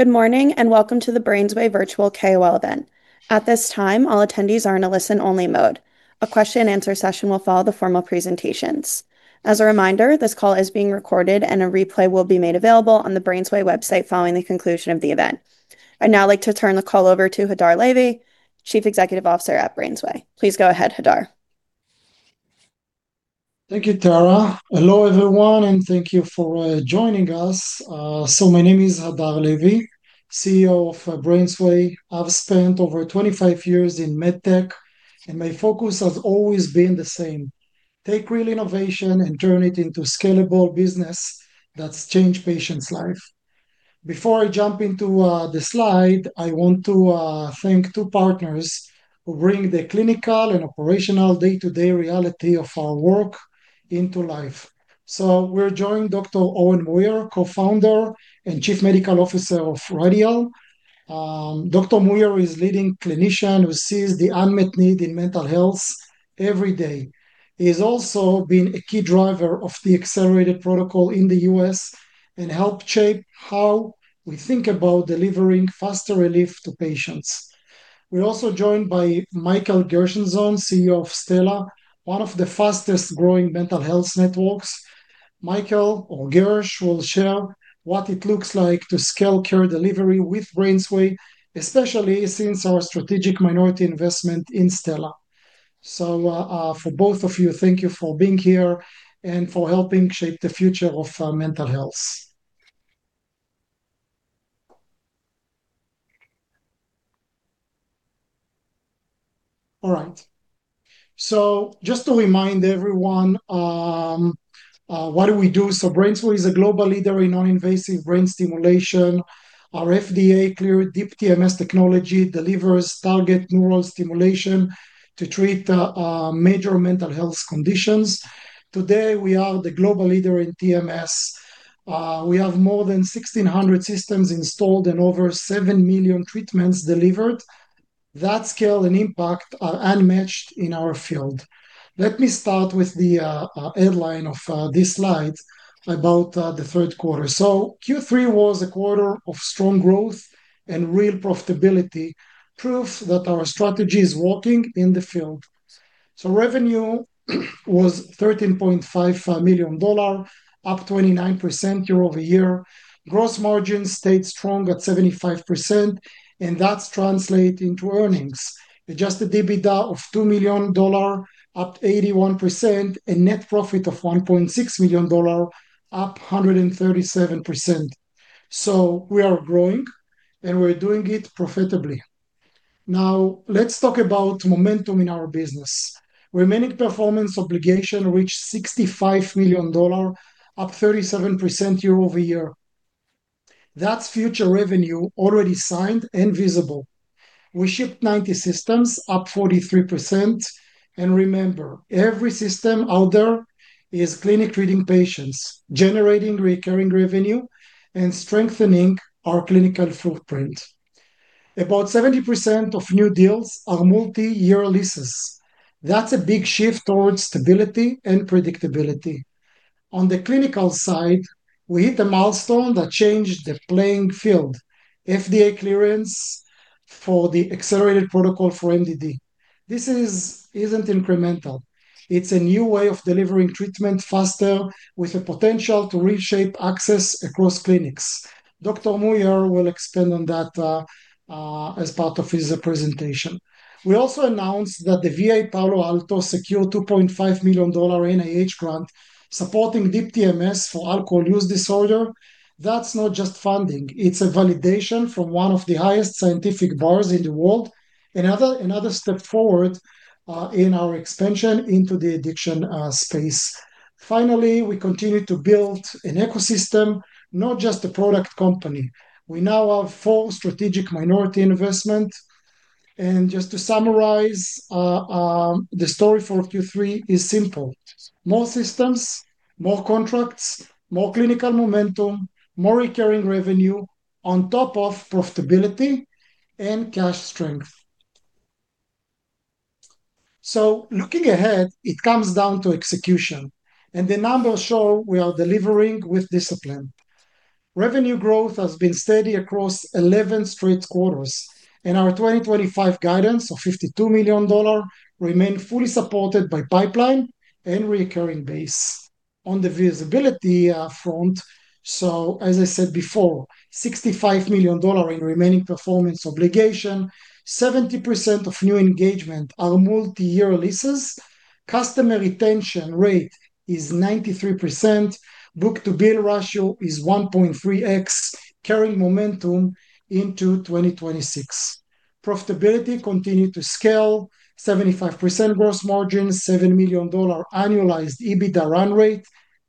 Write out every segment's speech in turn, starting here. Good morning and welcome to the BrainsWay virtual KOL event. At this time, all attendees are in a listen-only mode. A question-and-answer session will follow the formal presentations. As a reminder, this call is being recorded, and a replay will be made available on the BrainsWay website following the conclusion of the event. I'd now like to turn the call over to Hadar Levy, Chief Executive Officer at BrainsWay. Please go ahead, Hadar. Thank you, Tara. Hello everyone, and thank you for joining us. My name is Hadar Levy, CEO of BrainsWay. I've spent over 25 years in med tech, and my focus has always been the same: take real innovation and turn it into scalable business that's changed patients' lives. Before I jump into the slide, I want to thank two partners who bring the clinical and operational day-to-day reality of our work into life. We're joined by Dr. Owen Muir Co-founder and Chief Medical Officer of Radial. Dr. Muir is a leading clinician who sees the unmet need in mental health every day. He's also been a key driver of the accelerated protocol in the U.S. and helped shape how we think about delivering faster relief to patients. We're also joined by Michael Gershenzon, CEO of Stella, one of the fastest-growing mental health networks. Michael, or Gersh, will share what it looks like to scale care delivery with BrainsWay, especially since our strategic minority investment in Stella. For both of you, thank you for being here and for helping shape the future of mental health. All right. Just to remind everyone, what do we do? BrainsWay is a global leader in noninvasive brain stimulation. Our FDA-cleared Deep TMS technology delivers target neural stimulation to treat major mental health conditions. Today, we are the global leader in TMS. We have more than 1,600 systems installed and over 7 million treatments delivered. That scale and impact are unmatched in our field. Let me start with the headline of this slide about the third quarter. Q3 was a quarter of strong growth and real profitability, proof that our strategy is working in the field. Revenue was $13.5 million, up 29% year-over-year. Gross margin stayed strong at 75%, and that's translated into earnings. Adjusted EBITDA of $2 million, up 81%, and net profit of $1.6 million, up 137%. We are growing, and we're doing it profitably. Now, let's talk about momentum in our business. Remaining performance obligation reached $65 million, up 37% year-over-year. That's future revenue already signed and visible. We shipped 90 systems, up 43%. Remember, every system out there is clinic-treating patients, generating recurring revenue and strengthening our clinical footprint. About 70% of new deals are multi-year leases. That's a big shift towards stability and predictability. On the clinical side, we hit a milestone that changed the playing field: FDA clearance for the accelerated protocol for MDD. This isn't incremental. It's a new way of delivering treatment faster with the potential to reshape access across clinics. Dr. Muir will expand on that as part of his presentation. We also announced that the VA Palo Alto secured a $2.5 million NIH grant supporting deep TMS for alcohol use disorder. That's not just funding. It's a validation from one of the highest scientific bars in the world and another step forward in our expansion into the addiction space. Finally, we continue to build an ecosystem, not just a product company. We now have four strategic minority investments. Just to summarize, the story for Q3 is simple: more systems, more contracts, more clinical momentum, more recurring revenue on top of profitability and cash strength. Looking ahead, it comes down to execution. The numbers show we are delivering with discipline. Revenue growth has been steady across 11 straight quarters. Our 2025 guidance of $52 million remains fully supported by pipeline and recurring base. On the visibility front, as I said before, $65 million in remaining performance obligation, 70% of new engagement are multi-year leases. Customer retention rate is 93%. Book-to-bill ratio is 1.3x, carrying momentum into 2026. Profitability continued to scale: 75% gross margin, $7 million annualized EBITDA run rate,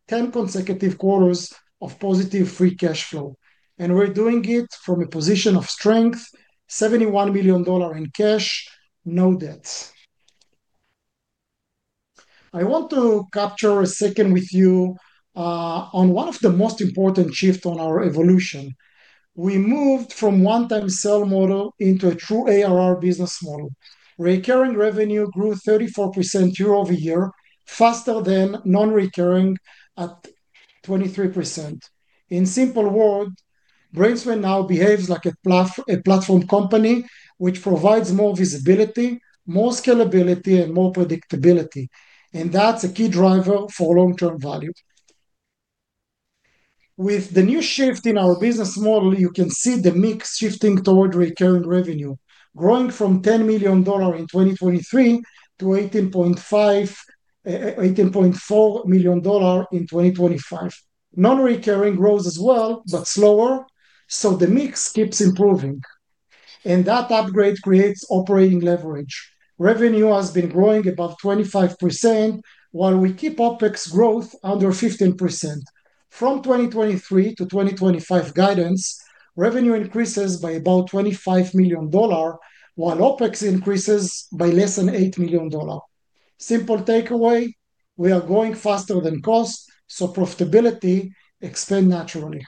10 consecutive quarters of positive free cash flow. We are doing it from a position of strength: $71 million in cash, no debts. I want to capture a second with you on one of the most important shifts on our evolution. We moved from a one-time sale model into a true ARR business model. Recurring revenue grew 34% year-over-year, faster than non-recurring at 23%. In simple words, BrainsWay now behaves like a platform company which provides more visibility, more scalability, and more predictability. That is a key driver for long-term value. With the new shift in our business model, you can see the mix shifting towards recurring revenue, growing from $10 million in 2023 to $18.4 million in 2025. Non-recurring grows as well, but slower. The mix keeps improving. That upgrade creates operating leverage. Revenue has been growing above 25% while we keep OpEx growth under 15%. From 2023 to 2025 guidance, revenue increases by about $25 million, while OpEx increases by less than $8 million. Simple takeaway: we are going faster than cost, so profitability expands naturally.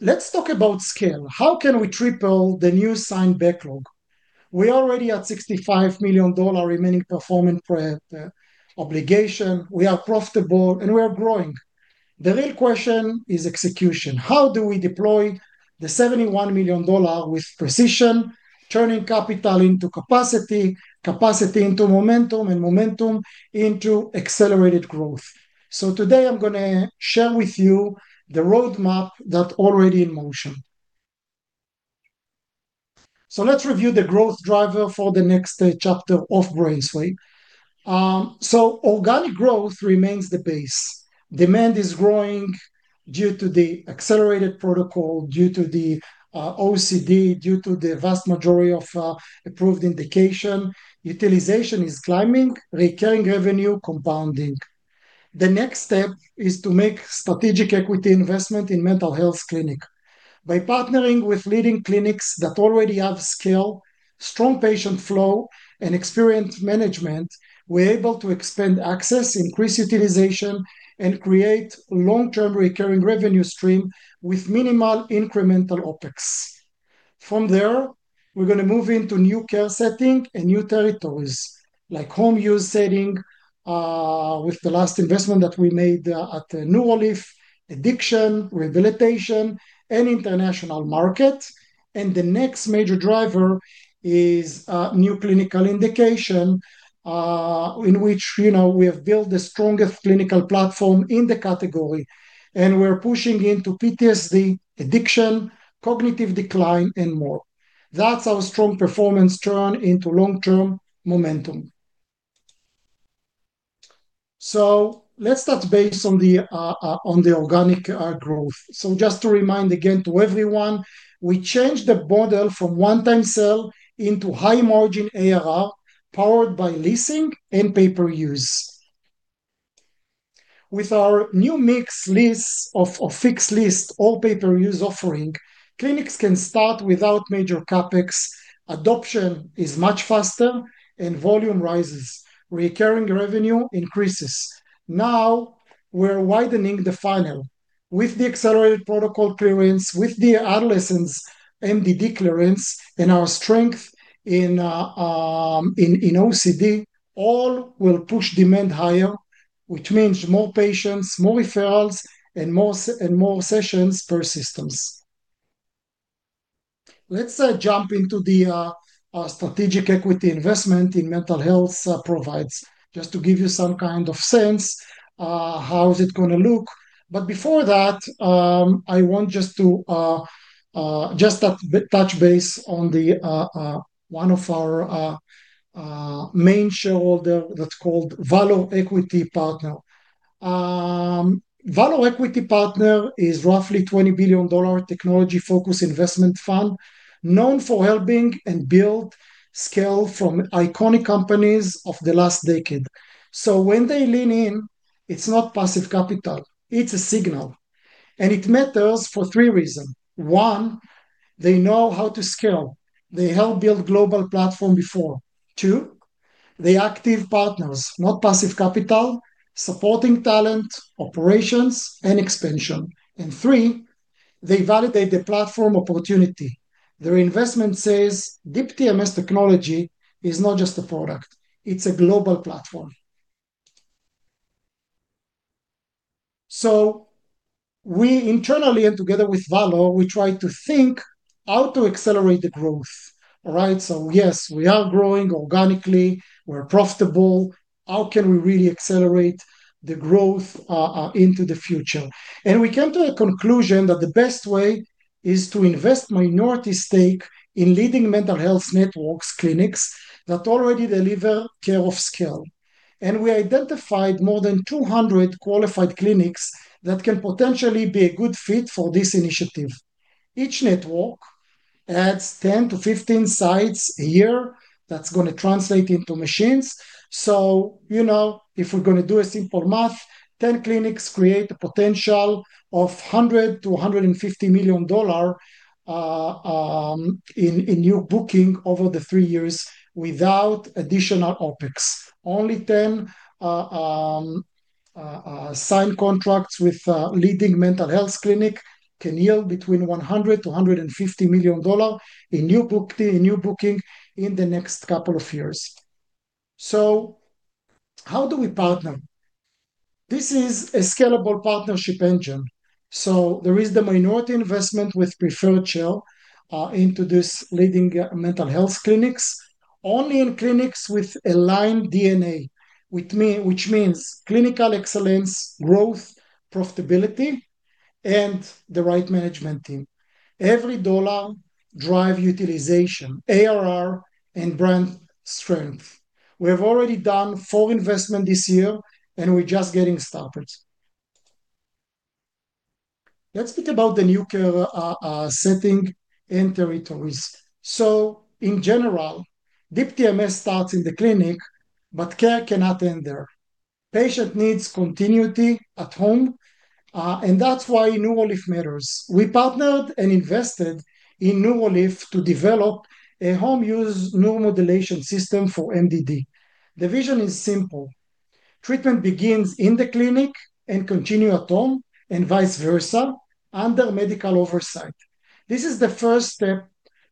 Let's talk about scale. How can we triple the new signed backlog? We're already at $65 million remaining performance obligation. We are profitable, and we are growing. The real question is execution. How do we deploy the $71 million with precision, turning capital into capacity, capacity into momentum, and momentum into accelerated growth? Today, I'm going to share with you the roadmap that's already in motion. Let's review the growth driver for the next chapter of BrainsWay. Organic growth remains the base. Demand is growing due to the accelerated protocol, due to the OCD, due to the vast majority of approved indication. Utilization is climbing. Recurring revenue is compounding. The next step is to make strategic equity investment in mental health clinics. By partnering with leading clinics that already have scale, strong patient flow, and experienced management, we're able to expand access, increase utilization, and create a long-term recurring revenue stream with minimal incremental OpEx. From there, we're going to move into new care settings and new territories like home use settings with the last investment that we made at Neuralif, addiction, rehabilitation, and international markets. The next major driver is new clinical indication in which we have built the strongest clinical platform in the category. We're pushing into PTSD, addiction, cognitive decline, and more. That's our strong performance turn into long-term momentum. Let's start based on the organic growth. Just to remind again to everyone, we changed the model from one-time sale into high-margin ARR powered by leasing and pay per use. With our new mixed list of fixed list or pay per use offering, clinics can start without major CapEx. Adoption is much faster, and volume rises. Recurring revenue increases. Now, we're widening the funnel with the accelerated protocol clearance, with the adolescents' MDD clearance, and our strength in OCD all will push demand higher, which means more patients, more referrals, and more sessions per system. Let's jump into the strategic equity investment in mental health provides, just to give you some kind of sense of how it's going to look. Before that, I want just to touch base on one of our main shareholders that's called Valor Equity Partners. Valor Equity Partners is a roughly $20 billion technology-focused investment fund known for helping and building scale from iconic companies of the last decade. When they lean in, it's not passive capital. It's a signal. It matters for three reasons. One, they know how to scale. They helped build a global platform before. Two, they're active partners, not passive capital, supporting talent, operations, and expansion. Three, they validate the platform opportunity. Their investment says deep TMS technology is not just a product. It's a global platform. We internally, and together with Valor, we try to think how to accelerate the growth. All right. Yes, we are growing organically. We're profitable. How can we really accelerate the growth into the future? We came to a conclusion that the best way is to invest minority stake in leading mental health networks clinics that already deliver care of scale. We identified more than 200 qualified clinics that can potentially be a good fit for this initiative. Each network adds 10-15 sites a year that's going to translate into machines. You know, if we're going to do a simple math, 10 clinics create a potential of $100 million-$150 million in new booking over the three years without additional OpEx. Only 10 signed contracts with leading mental health clinics can yield between $100 million-$150 million in new booking in the next couple of years. How do we partner? This is a scalable partnership engine. There is the minority investment with preferred share into these leading mental health clinics, only in clinics with aligned DNA, which means clinical excellence, growth, profitability, and the right management team. Every dollar drives utilization, ARR, and brand strength. We have already done four investments this year, and we're just getting started. Let's think about the new care setting and territories. In general, Deep TMS starts in the clinic, but care cannot end there. Patient needs continuity at home. That is why Neuralif matters. We partnered and invested in Neuralif to develop a home use neuromodulation system for MDD. The vision is simple. Treatment begins in the clinic and continues at home and vice versa under medical oversight. This is the first step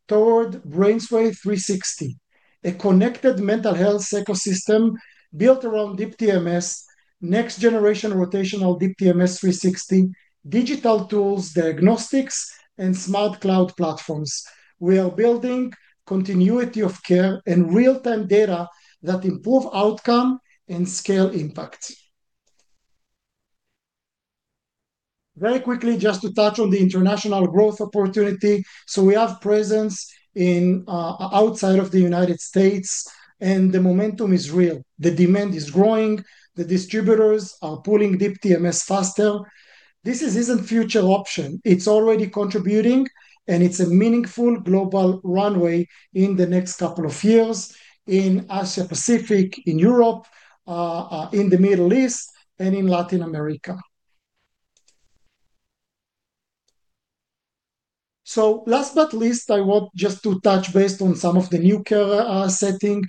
toward BrainsWay 360, a connected mental health ecosystem built around deep TMS, next-generation rotational deep TMS 360, digital tools, diagnostics, and smart cloud platforms. We are building continuity of care and real-time data that improve outcome and scale impact. Very quickly, just to touch on the international growth opportunity. We have presence outside of the United States, and the momentum is real. The demand is growing. The distributors are pulling deep TMS faster. This is not a future option. It is already contributing, and it is a meaningful global runway in the next couple of years in Asia-Pacific, in Europe, in the Middle East, and in Latin America. Last but not least, I want just to touch based on some of the new care setting.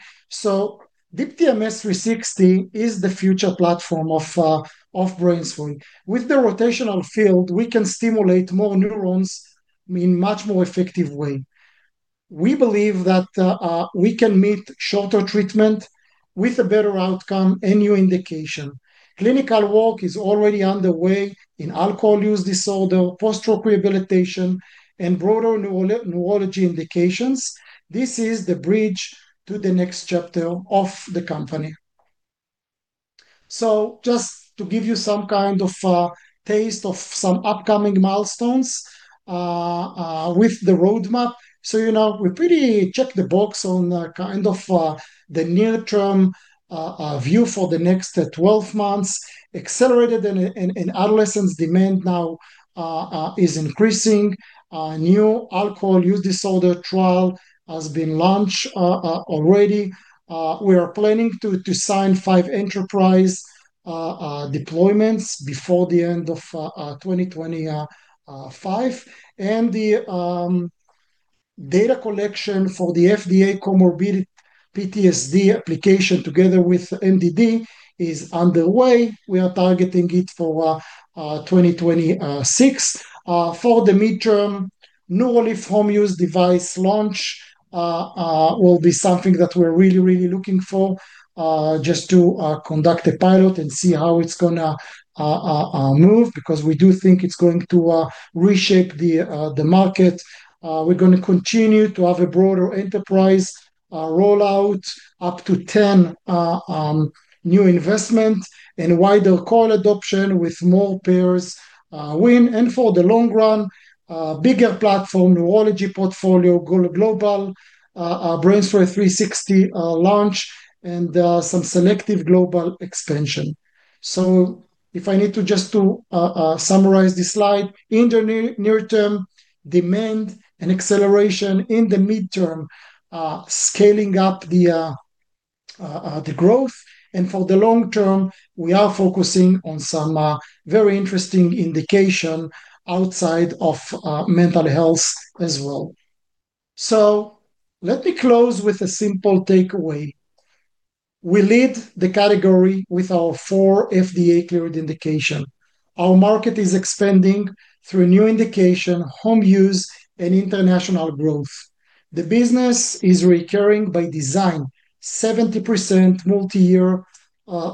Deep TMS 360 is the future platform of BrainsWay. With the rotational field, we can stimulate more neurons in a much more effective way. We believe that we can meet shorter treatment with a better outcome and new indication. Clinical work is already underway in alcohol use disorder, post-stroke rehabilitation, and broader neurology indications. This is the bridge to the next chapter of the company. Just to give you some kind of taste of some upcoming milestones with the roadmap. You know we pretty check the box on kind of the near-term view for the next 12 months. Accelerated and adolescents' demand now is increasing. New alcohol use disorder trial has been launched already. We are planning to sign five enterprise deployments before the end of 2025. The data collection for the FDA comorbidity PTSD application together with MDD is underway. We are targeting it for 2026. For the midterm, Neuralif home use device launch will be something that we're really, really looking for, just to conduct a pilot and see how it's going to move because we do think it's going to reshape the market. We're going to continue to have a broader enterprise rollout, up to 10 new investments, and wider call adoption with more payers' win. For the long run, bigger platform, neurology portfolio, global BrainsWay 360 launch, and some selective global expansion. If I need to just summarize this slide, in the near-term, demand and acceleration; in the midterm, scaling up the growth. For the long term, we are focusing on some very interesting indication outside of mental health as well. Let me close with a simple takeaway. We lead the category with our four FDA-cleared indications. Our market is expanding through a new indication, home use and international growth. The business is recurring by design, 70% multi-year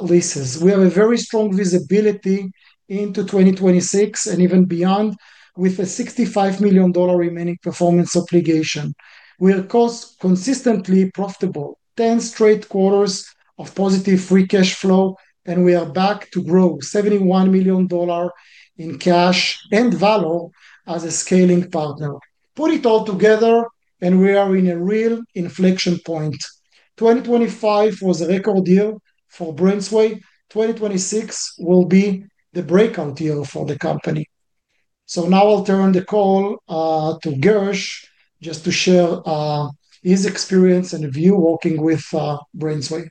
leases. We have a very strong visibility into 2026 and even beyond with a $65 million remaining performance obligation. We are consistently profitable, 10 straight quarters of positive free cash flow, and we are back to grow $71 million in cash and Valor as a scaling partner. Put it all together, we are in a real inflection point. 2025 was a record year for BrainsWay. 2026 will be the breakout year for the company. Now I'll turn the call to Gersh just to share his experience and view working with BrainsWay.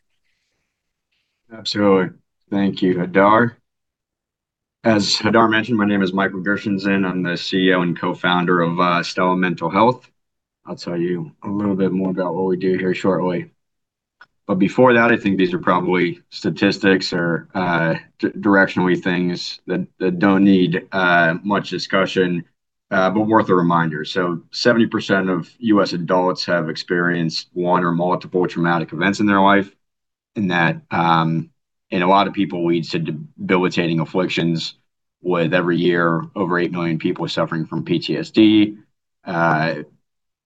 Absolutely. Thank you, Hadar. As Hadar mentioned, my name is Michael Gershenzon. I'm the CEO and co-founder of Stella Mental Health. I'll tell you a little bit more about what we do here shortly. Before that, I think these are probably statistics or directional things that do not need much discussion, but worth a reminder. 70% of U.S. adults have experienced one or multiple traumatic events in their life. That in a lot of people leads to debilitating afflictions, with every year, over 8 million people suffering from PTSD,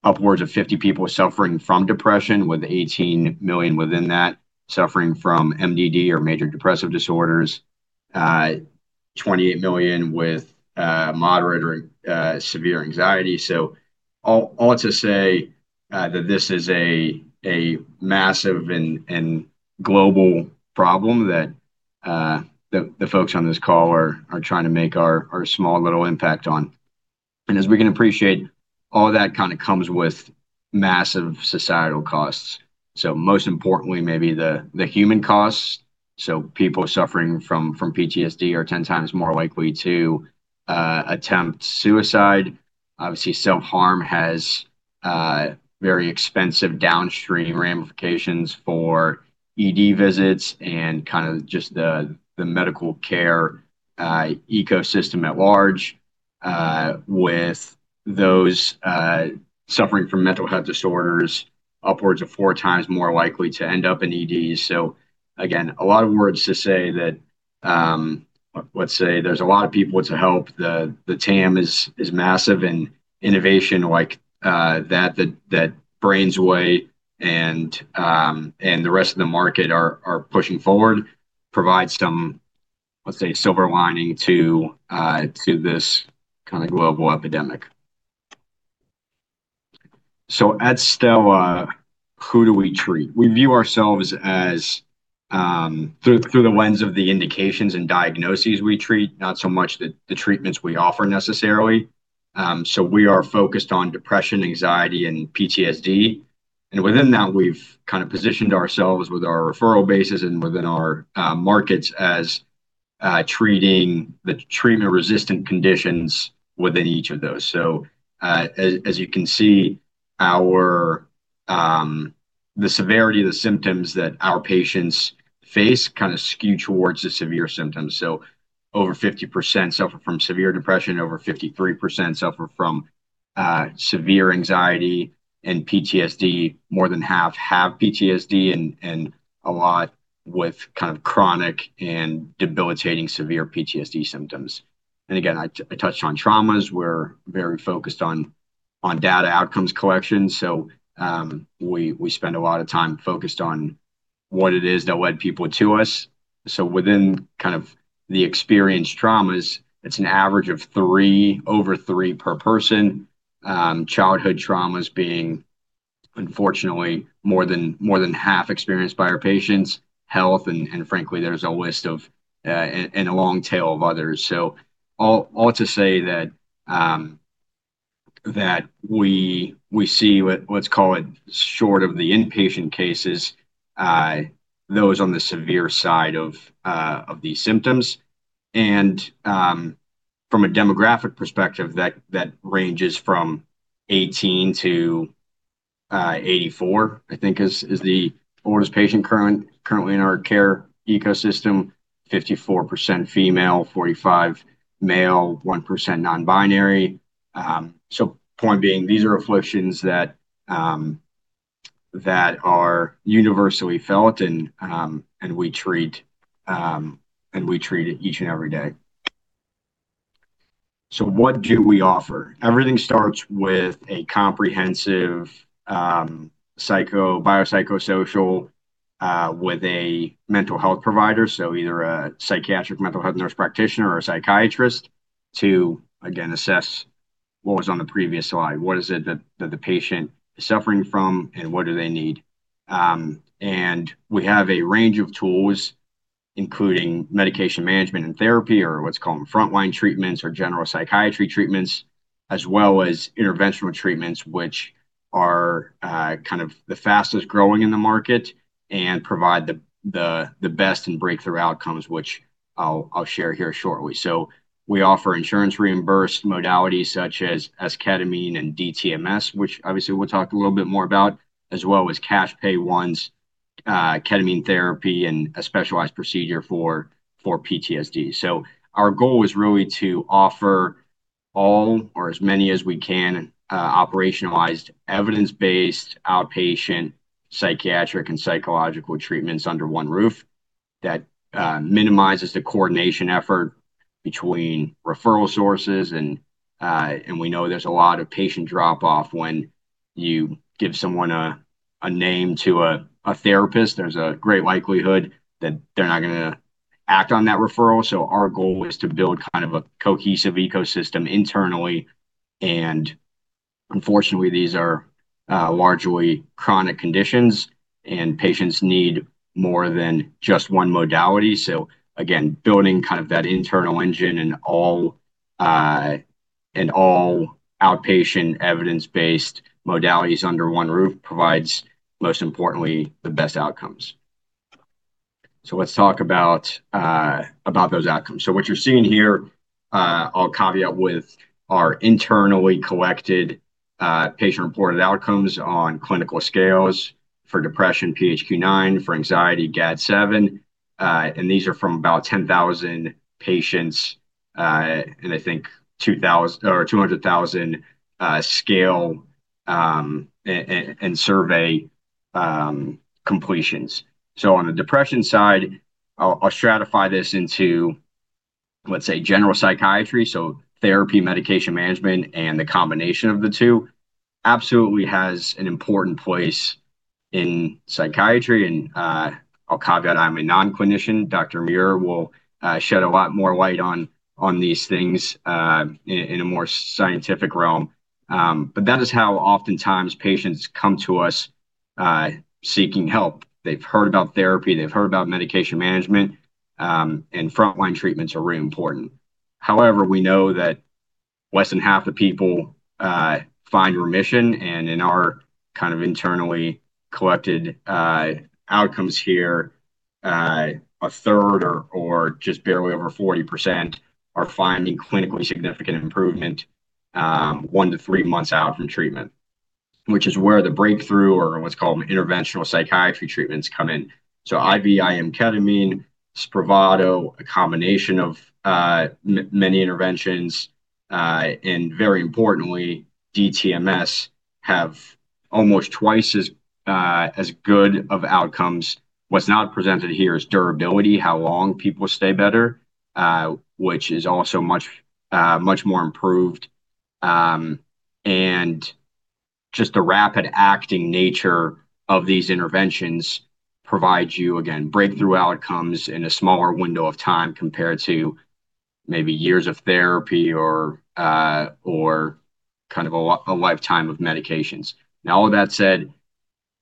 upwards of 50 million people suffering from depression, with 18 million within that suffering from MDD or major depressive disorders, 28 million with moderate or severe anxiety. All to say that this is a massive and global problem that the folks on this call are trying to make our small little impact on. As we can appreciate, all that kind of comes with massive societal costs. Most importantly, maybe the human costs. People suffering from PTSD are 10x more likely to attempt suicide. Obviously, self-harm has very expensive downstream ramifications for ED visits and kind of just the medical care ecosystem at large. With those suffering from mental health disorders, upwards of 4x more likely to end up in ED. Again, a lot of words to say that let's say there's a lot of people to help. The TAM is massive, and innovation like that, that BrainsWay and the rest of the market are pushing forward, provides some, let's say, silver lining to this kind of global epidemic. At Stella, who do we treat? We view ourselves through the lens of the indications and diagnoses we treat, not so much the treatments we offer necessarily. We are focused on depression, anxiety, and PTSD. Within that, we've kind of positioned ourselves with our referral bases and within our markets as treating the treatment-resistant conditions within each of those. As you can see, the severity of the symptoms that our patients face kind of skew towards the severe symptoms. Over 50% suffer from severe depression, over 53% suffer from severe anxiety, and PTSD, more than half have PTSD, and a lot with kind of chronic and debilitating severe PTSD symptoms. Again, I touched on traumas. We're very focused on data outcomes collection. We spend a lot of time focused on what it is that led people to us. Within kind of the experienced traumas, it's an average of over three per person. Childhood traumas being, unfortunately, more than half experienced by our patients. Health, and frankly, there's a list and a long tail of others. All to say that we see, let's call it short of the inpatient cases, those on the severe side of these symptoms. From a demographic perspective, that ranges from 18-84, I think, is the oldest patient currently in our care ecosystem. 54% female, 45% male, 1% non-binary. Point being, these are afflictions that are universally felt, and we treat each and every day. What do we offer? Everything starts with a comprehensive psycho-biopsychosocial with a mental health provider, so either a psychiatric mental health nurse practitioner or a psychiatrist, to, again, assess what was on the previous slide. What is it that the patient is suffering from, and what do they need? We have a range of tools, including medication management and therapy, or what is called frontline treatments or general psychiatry treatments, as well as interventional treatments, which are kind of the fastest growing in the market and provide the best and breakthrough outcomes, which I'll share here shortly. We offer insurance-reimbursed modalities such as ketamine and Deep TMS, which obviously we'll talk a little bit more about, as well as cash-pay ones, ketamine therapy, and a specialized procedure for PTSD. Our goal is really to offer all, or as many as we can, operationalized, evidence-based, outpatient, psychiatric, and psychological treatments under one roof that minimizes the coordination effort between referral sources. We know there's a lot of patient drop-off when you give someone a name to a therapist. There's a great likelihood that they're not going to act on that referral. Our goal is to build kind of a cohesive ecosystem internally. Unfortunately, these are largely chronic conditions, and patients need more than just one modality. Again, building kind of that internal engine and all outpatient evidence-based modalities under one roof provides, most importantly, the best outcomes. Let's talk about those outcomes. What you're seeing here, I'll caveat with our internally collected patient-reported outcomes on clinical scales for depression, PHQ-9, for anxiety, GAD-7. These are from about 10,000 patients and I think 200,000 scale and survey completions. On the depression side, I'll stratify this into, let's say, general psychiatry. Therapy, medication management, and the combination of the two absolutely has an important place in psychiatry. I'll caveat I'm a non-clinician. Dr. Muir will shed a lot more light on these things in a more scientific realm. That is how oftentimes patients come to us seeking help. They've heard about therapy. They've heard about medication management. Frontline treatments are really important. However, we know that less than half of people find remission. In our kind of internally collected outcomes here, a third or just barely over 40% are finding clinically significant improvement one to three months out from treatment, which is where the breakthrough or what's called interventional psychiatry treatments come in. IBIM, ketamine, Spravato, a combination of many interventions, and very importantly, Deep TMS have almost twice as good of outcomes. What's not presented here is durability, how long people stay better, which is also much more improved. Just the rapid-acting nature of these interventions provides you, again, breakthrough outcomes in a smaller window of time compared to maybe years of therapy or kind of a lifetime of medications. All that said,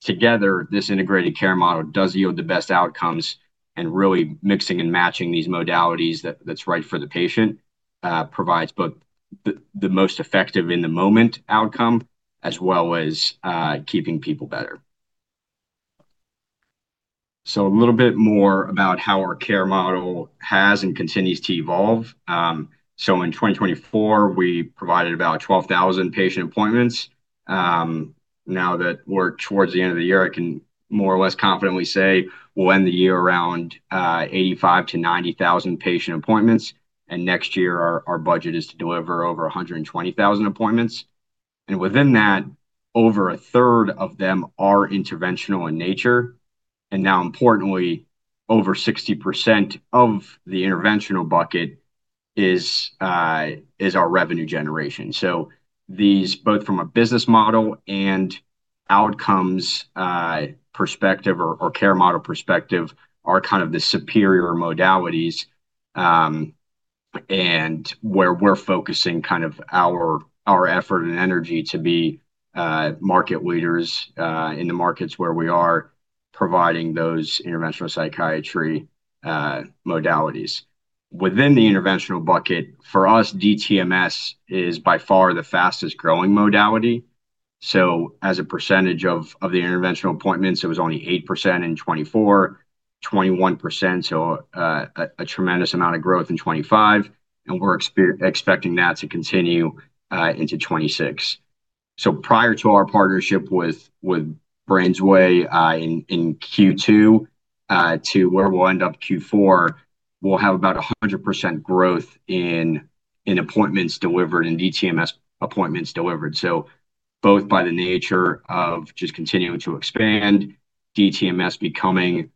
together, this integrated care model does yield the best outcomes. Really mixing and matching these modalities that's right for the patient provides both the most effective in the moment outcome as well as keeping people better. A little bit more about how our care model has and continues to evolve. In 2024, we provided about 12,000 patient appointments. Now that we're towards the end of the year, I can more or less confidently say we'll end the year around 85,000-90,000 patient appointments. Next year, our budget is to deliver over 120,000 appointments. Within that, over a third of them are interventional in nature. Importantly, over 60% of the interventional bucket is our revenue generation. These, both from a business model and outcomes perspective or care model perspective, are kind of the superior modalities. Where we're focusing kind of our effort and energy is to be market leaders in the markets where we are providing those interventional psychiatry modalities. Within the interventional bucket, for us, Deep TMS is by far the fastest growing modality. As a percentage of the interventional appointments, it was only 8% in 2024, 21%, so a tremendous amount of growth in 2025. We're expecting that to continue into 2026. Prior to our partnership with BrainsWay in Q2 to where we'll end up Q4, we'll have about 100% growth in appointments delivered and Deep TMS appointments delivered. Both by the nature of just continuing to expand, Deep TMS becoming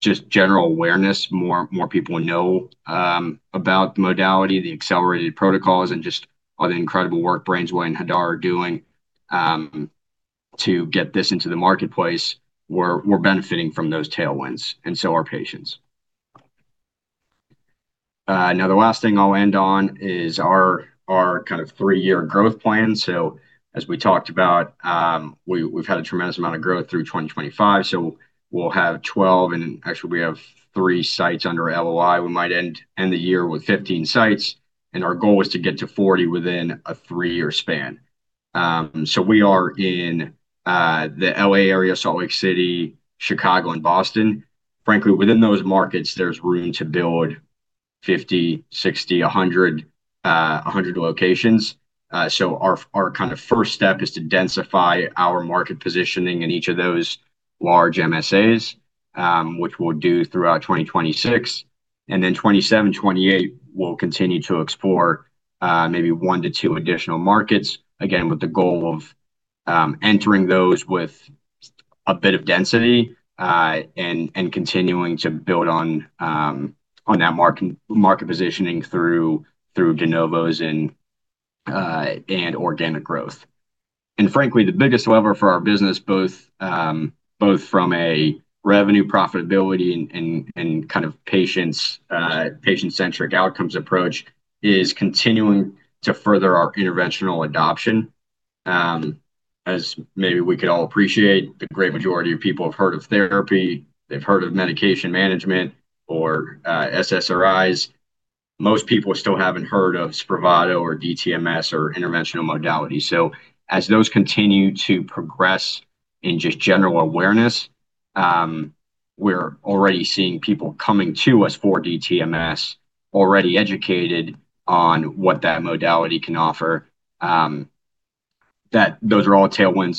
just general awareness, more people know about the modality, the accelerated protocols, and just all the incredible work BrainsWay and Hadar are doing to get this into the marketplace, we're benefiting from those tailwinds and so are patients. Now, the last thing I'll end on is our kind of three-year growth plan. As we talked about, we've had a tremendous amount of growth through 2025. We'll have 12, and actually, we have three sites under LOI. We might end the year with 15 sites. Our goal is to get to 40 within a three-year span. We are in the LA area, Salt Lake City, Chicago, and Boston. Frankly, within those markets, there's room to build 50, 60, 100 locations. Our kind of first step is to densify our market positioning in each of those large MSAs, which we'll do throughout 2026. In 2027 and 2028, we'll continue to explore maybe one to two additional markets, again, with the goal of entering those with a bit of density and continuing to build on that market positioning through de novos and organic growth. Frankly, the biggest lever for our business, both from a revenue profitability and kind of patient-centric outcomes approach, is continuing to further our interventional adoption. As maybe we could all appreciate, the great majority of people have heard of therapy. They've heard of medication management or SSRIs. Most people still haven't heard of Spravato or Deep TMS or interventional modalities. As those continue to progress in just general awareness, we're already seeing people coming to us for Deep TMS, already educated on what that modality can offer. Those are all tailwinds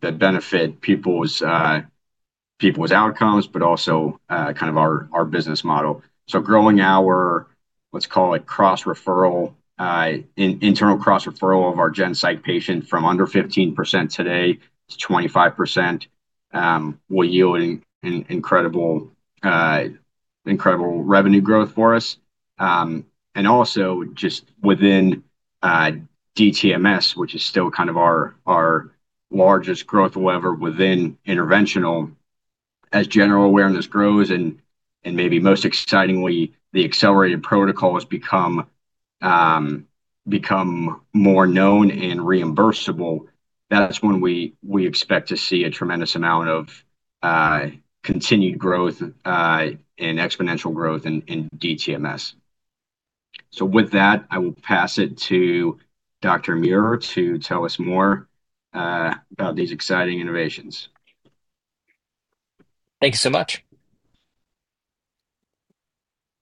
that benefit people's outcomes, but also kind of our business model. Growing our, let's call it, internal cross-referral of our gen psych patient from under 15% today to 25% will yield incredible revenue growth for us. Also, just within Deep TMS, which is still kind of our largest growth lever within interventional, as general awareness grows, and maybe most excitingly, the accelerated protocols become more known and reimbursable, that is when we expect to see a tremendous amount of continued growth and exponential growth in Deep TMS. With that, I will pass it to Dr. Muir to tell us more about these exciting innovations. Thank you so much.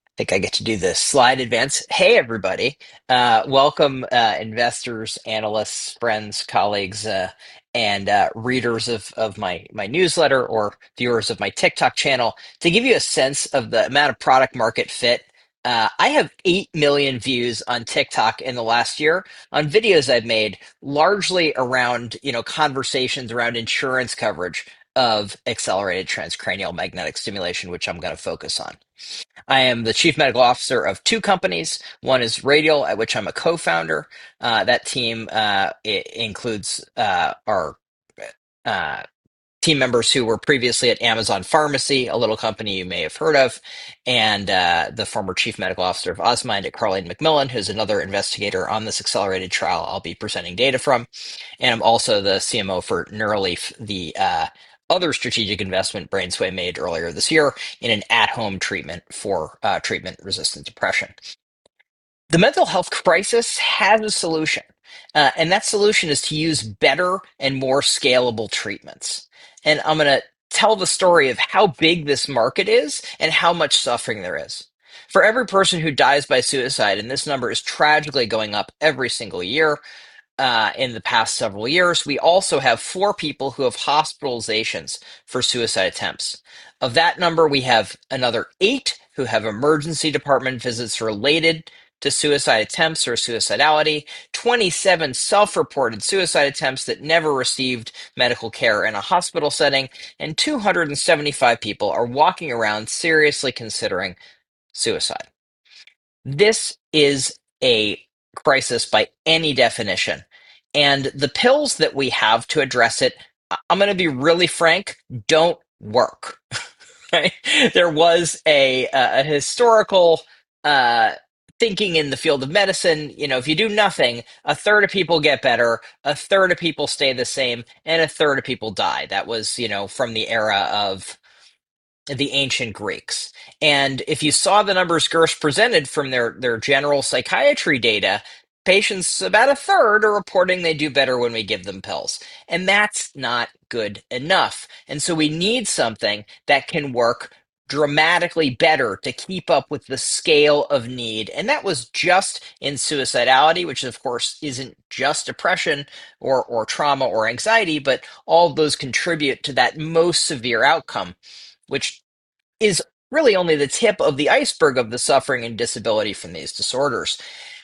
I think I get to do the slide advance. Hey, everybody. Welcome, investors, analysts, friends, colleagues, and readers of my newsletter or viewers of my TikTok channel. To give you a sense of the amount of product-market fit, I have 8 million views on TikTok in the last year on videos I have made, largely around conversations around insurance coverage of accelerated transcranial magnetic stimulation, which I am going to focus on. I am the Chief Medical Officer of two companies. One is Radial, at which I'm a co-founder. That team includes our team members who were previously at Amazon Pharmacy, a little company you may have heard of, and the former Chief Medical Officer of Osmind at Carleen McMillan, who's another investigator on this accelerated trial I'll be presenting data from. I'm also the CMO for Neuralif, the other strategic investment BrainsWay made earlier this year in an at-home treatment for treatment-resistant depression. The mental health crisis has a solution. That solution is to use better and more scalable treatments. I'm going to tell the story of how big this market is and how much suffering there is. For every person who dies by suicide, and this number is tragically going up every single year in the past several years, we also have four people who have hospitalizations for suicide attempts. Of that number, we have another eight who have emergency department visits related to suicide attempts or suicidality, 27 self-reported suicide attempts that never received medical care in a hospital setting, and 275 people are walking around seriously considering suicide. This is a crisis by any definition. The pills that we have to address it, I'm going to be really frank, don't work. There was a historical thinking in the field of medicine. If you do nothing, a third of people get better, a third of people stay the same, and a third of people die. That was from the era of the ancient Greeks. If you saw the numbers Gersh presented from their general psychiatry data, patients, about a third are reporting they do better when we give them pills. That's not good enough. We need something that can work dramatically better to keep up with the scale of need. That was just in suicidality, which, of course, is not just depression or trauma or anxiety, but all of those contribute to that most severe outcome, which is really only the tip of the iceberg of the suffering and disability from these disorders.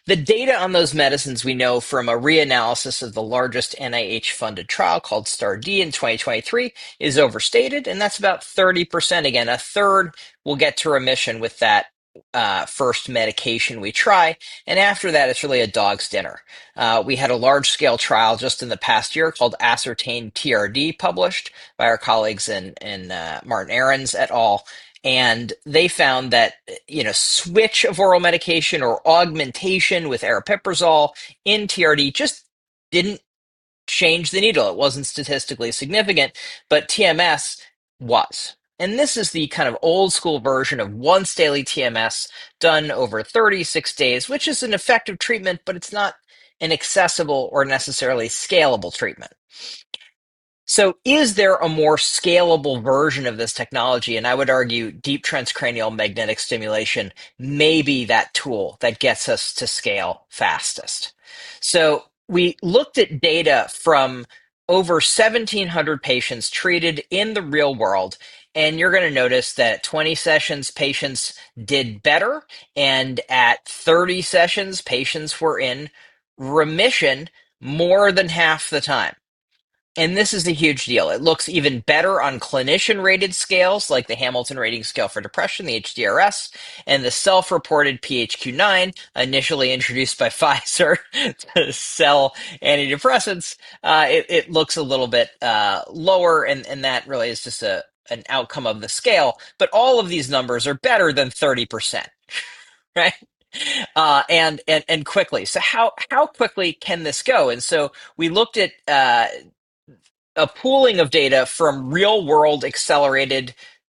The data on those medicines we know from a reanalysis of the largest NIH-funded trial called STAR*D in 2023 is overstated. That is about 30%. Again, a third will get to remission with that first medication we try. After that, it is really a dog's dinner. We had a large-scale trial just in the past year called ASCERTAIN TRD published by our colleagues and Martin Aarons et al. They found that switch of oral medication or augmentation with aripiprazole in TRD just did not change the needle. It wasn't statistically significant, but TMS was. This is the kind of old-school version of once-daily TMS done over 36 days, which is an effective treatment, but it's not an accessible or necessarily scalable treatment. Is there a more scalable version of this technology? I would argue deep transcranial magnetic stimulation may be that tool that gets us to scale fastest. We looked at data from over 1,700 patients treated in the real world. You're going to notice that 20 sessions patients did better. At 30 sessions, patients were in remission more than half the time. This is a huge deal. It looks even better on clinician-rated scales like the Hamilton Rating Scale for Depression, the HDRS, and the self-reported PHQ-9, initially introduced by Pfizer to sell antidepressants. It looks a little bit lower. That really is just an outcome of the scale. All of these numbers are better than 30%, right? Quickly, how quickly can this go? We looked at a pooling of data from real-world accelerated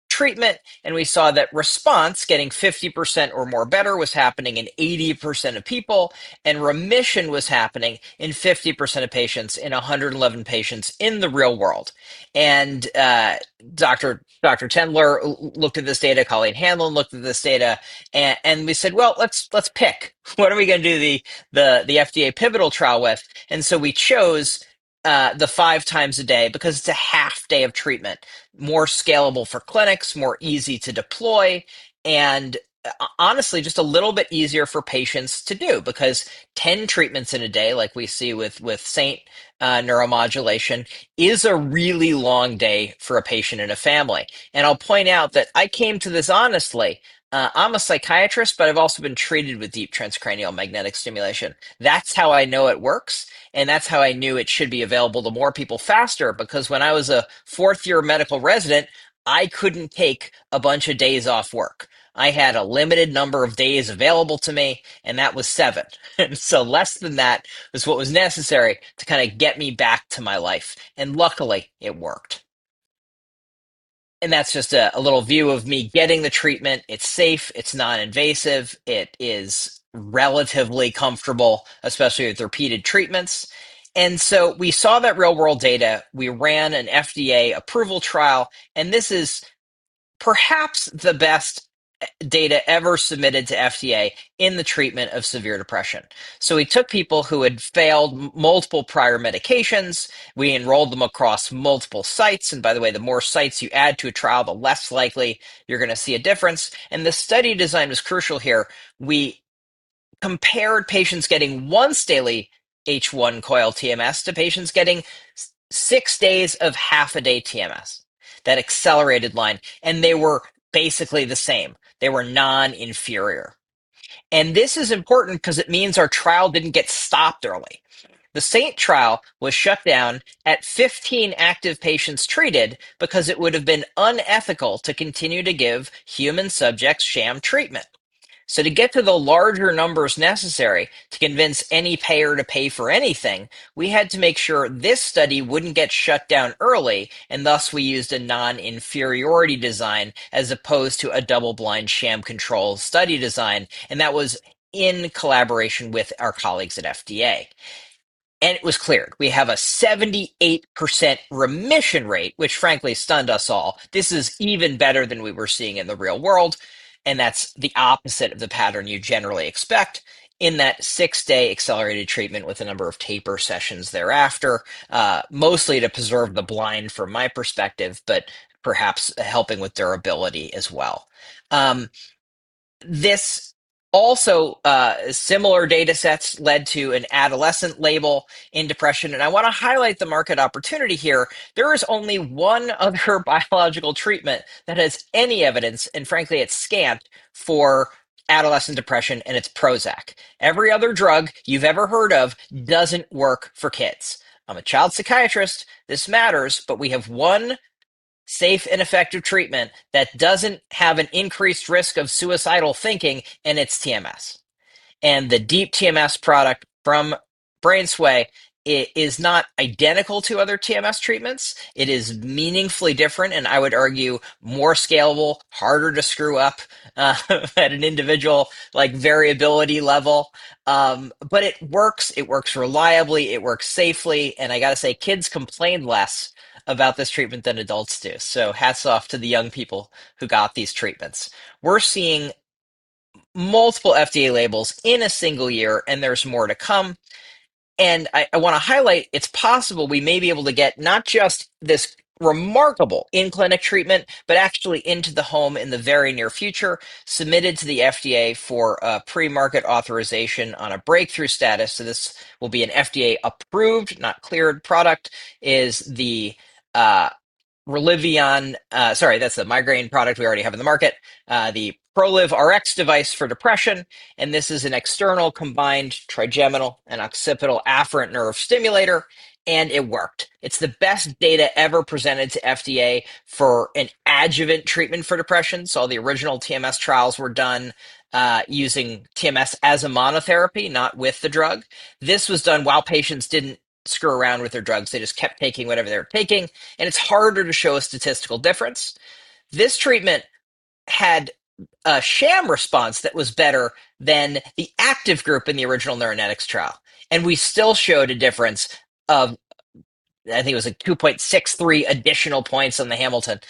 treatment. We saw that response, getting 50% or more better, was happening in 80% of people. Remission was happening in 50% of patients in 111 patients in the real world. Dr. Tendler looked at this data. Colleen Hamlin looked at this data. We said, "Let's pick. What are we going to do the FDA pivotal trial with?" We chose the 5x a day because it is a half-day of treatment, more scalable for clinics, more easy to deploy, and honestly, just a little bit easier for patients to do because 10 treatments in a day, like we see with St. Neuromodulation is a really long day for a patient and a family. I'll point out that I came to this honestly. I'm a psychiatrist, but I've also been treated with Deep Transcranial Magnetic Stimulation. That's how I know it works. That's how I knew it should be available to more people faster because when I was a fourth-year medical resident, I couldn't take a bunch of days off work. I had a limited number of days available to me, and that was seven. Less than that was what was necessary to kind of get me back to my life. Luckily, it worked. That's just a little view of me getting the treatment. It's safe. It's noninvasive. It is relatively comfortable, especially with repeated treatments. We saw that real-world data. We ran an FDA approval trial. This is perhaps the best data ever submitted to FDA in the treatment of severe depression. We took people who had failed multiple prior medications. We enrolled them across multiple sites. By the way, the more sites you add to a trial, the less likely you're going to see a difference. The study design was crucial here. We compared patients getting once-daily H1 coil TMS to patients getting six days of half-a-day TMS, that accelerated line. They were basically the same. They were non-inferior. This is important because it means our trial didn't get stopped early. The St. trial was shut down at 15 active patients treated because it would have been unethical to continue to give human subjects sham treatment. To get to the larger numbers necessary to convince any payer to pay for anything, we had to make sure this study would not get shut down early. Thus, we used a non-inferiority design as opposed to a double-blind sham control study design. That was in collaboration with our colleagues at FDA. It was clear. We have a 78% remission rate, which frankly stunned us all. This is even better than we were seeing in the real world. That is the opposite of the pattern you generally expect in that six-day accelerated treatment with a number of taper sessions thereafter, mostly to preserve the blind from my perspective, but perhaps helping with durability as well. This also similar data sets led to an adolescent label in depression. I want to highlight the market opportunity here. There is only one other biological treatment that has any evidence, and frankly, it's scant for adolescent depression and it's Prozac. Every other drug you've ever heard of doesn't work for kids. I'm a child psychiatrist. This matters, but we have one safe and effective treatment that doesn't have an increased risk of suicidal thinking and it's TMS. And the Deep TMS product from BrainsWay is not identical to other TMS treatments. It is meaningfully different, and I would argue more scalable, harder to screw up at an individual variability level. It works. It works reliably. It works safely. I got to say, kids complain less about this treatment than adults do. Hats off to the young people who got these treatments. We're seeing multiple FDA labels in a single year, and there's more to come. I want to highlight it's possible we may be able to get not just this remarkable in-clinic treatment, but actually into the home in the very near future, submitted to the FDA for pre-market authorization on a breakthrough status. This will be an FDA-approved, not cleared product. The Relivion—sorry, that's the migraine product we already have in the market—the Proliv RX device for depression. This is an external combined trigeminal and occipital afferent nerve stimulator. It worked. It's the best data ever presented to FDA for an adjuvant treatment for depression. All the original TMS trials were done using TMS as a monotherapy, not with the drug. This was done while patients didn't screw around with their drugs. They just kept taking whatever they were taking. It's harder to show a statistical difference. This treatment had a sham response that was better than the active group in the original neurogenetics trial. We still showed a difference of, I think it was like 2.63 additional points on the Hamilton,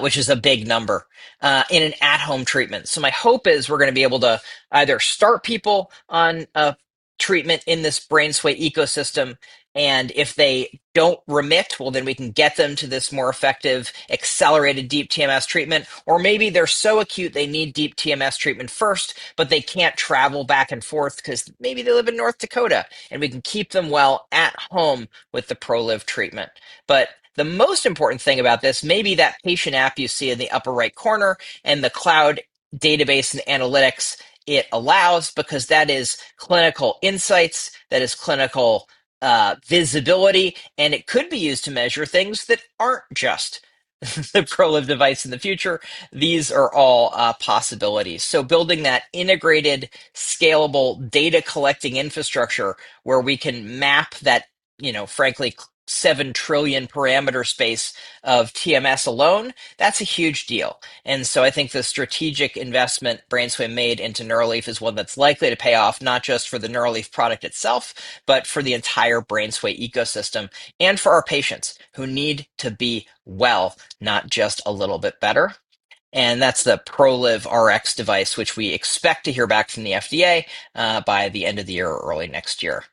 which is a big number in an at-home treatment. My hope is we're going to be able to either start people on a treatment in this BrainsWay ecosystem. If they do not remit, we can get them to this more effective accelerated deep TMS treatment. Maybe they are so acute, they need deep TMS treatment first, but they cannot travel back and forth because maybe they live in North Dakota. We can keep them well at home with the Proliv treatment. The most important thing about this may be that patient app you see in the upper right corner and the cloud database and analytics it allows because that is clinical insights, that is clinical visibility. It could be used to measure things that are not just the Proliv device in the future. These are all possibilities. Building that integrated, scalable data collecting infrastructure where we can map that, frankly, 7 trillion parameter space of TMS alone, that is a huge deal. I think the strategic investment BrainsWay made into Neuralif is one that is likely to pay off not just for the Neuralif product itself, but for the entire BrainsWay ecosystem and for our patients who need to be well, not just a little bit better. That's the Proliv RX device, which we expect to hear back from the FDA by the end of the year or early next year.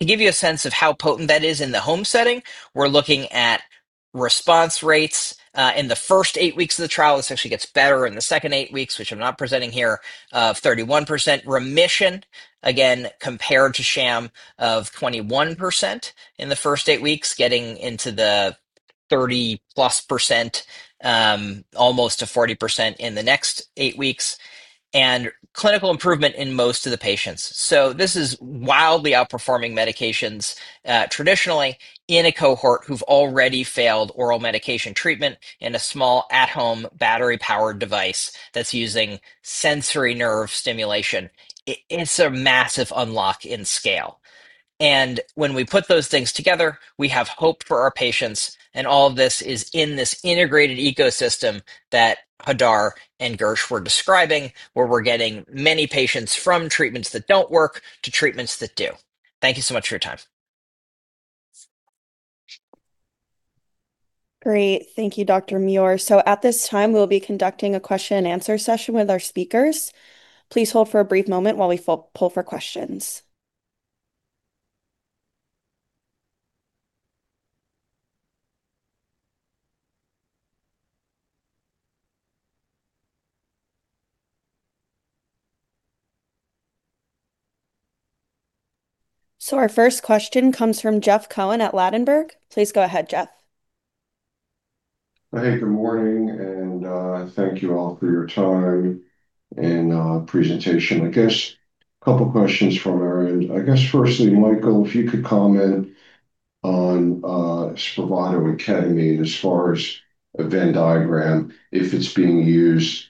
To give you a sense of how potent that is in the home setting, we're looking at response rates in the first eight weeks of the trial, especially gets better in the second eight weeks, which I'm not presenting here, of 31% remission, again, compared to sham of 21% in the first eight weeks, getting into the 30%+, almost to 40% in the next eight weeks, and clinical improvement in most of the patients. This is wildly outperforming medications traditionally in a cohort who've already failed oral medication treatment and a small at-home battery-powered device that's using sensory nerve stimulation. It's a massive unlock in scale. When we put those things together, we have hope for our patients. All of this is in this integrated ecosystem that Hadar and Gersh were describing, where we're getting many patients from treatments that don't work to treatments that do. Thank you so much for your time. Great. Thank you, Dr. Muir. At this time, we'll be conducting a question-and-answer session with our speakers. Please hold for a brief moment while we pull for questions. Our first question comes from Jeff Cohen at Ladenburg. Please go ahead, Jeff. Hey, good morning. Thank you all for your time and presentation. I guess a couple of questions from our end. Firstly, Michael, if you could comment on Spravato (esketamine) and as far as a Venn diagram, if it's being used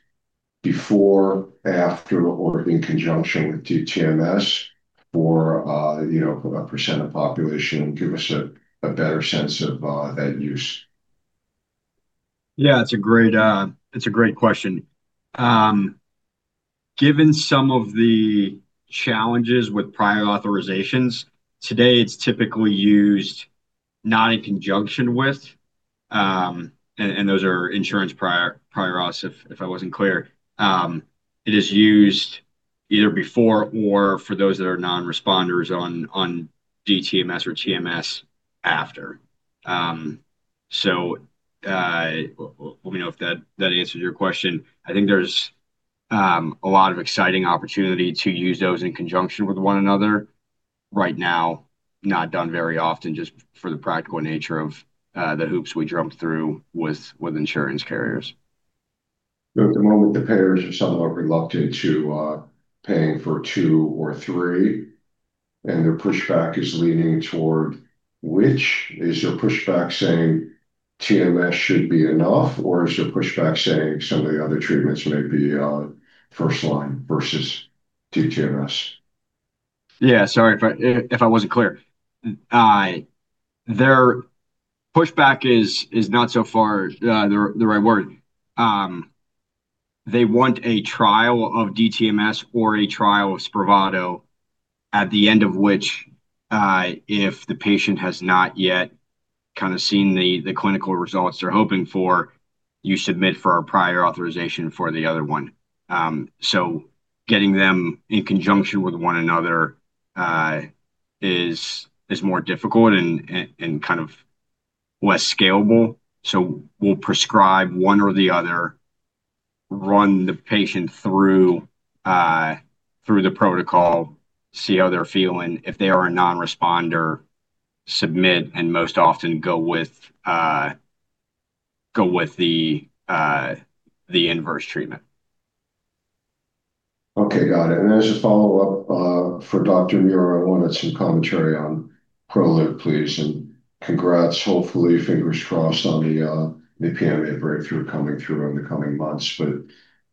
before, after, or in conjunction to TMS for a percent of the population, give us a better sense of that use. Yeah, it's a great question. Given some of the challenges with prior authorizations, today it's typically used not in conjunction with, and those are insurance prior auths, if I wasn't clear. It is used either before or for those that are non-responders on Deep TMS or TMS after. Let me know if that answers your question. I think there's a lot of exciting opportunity to use those in conjunction with one another right now, not done very often just for the practical nature of the hoops we jumped through with insurance carriers. At the moment, the payers of some are reluctant to pay for two or three. The pushback is leaning toward which? Is your pushback saying TMS should be enough, or is your pushback saying some of the other treatments may be first line versus Deep TMS? Yeah, sorry if I wasn't clear. Their pushback is not so far the right word. They want a trial of Deep TMS or a trial of Spravato, at the end of which, if the patient has not yet kind of seen the clinical results they're hoping for, you submit for a prior authorization for the other one. Getting them in conjunction with one another is more difficult and kind of less scalable. We'll prescribe one or the other, run the patient through the protocol, see how they're feeling. If they are a non-responder, submit, and most often go with the inverse treatment. Okay, got it. As a follow-up for Dr. Muir, I wanted some commentary on Proliv, please. Congrats, hopefully, fingers crossed, on the pandemic breakthrough coming through in the coming months.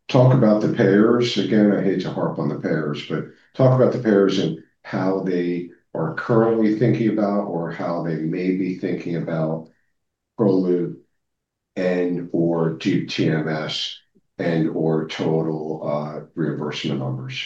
Talk about the payers. Again, I hate to harp on the payers, but talk about the payers and how they are currently thinking about or how they may be thinking about Proliv and/or TMS and/or total reimbursement numbers.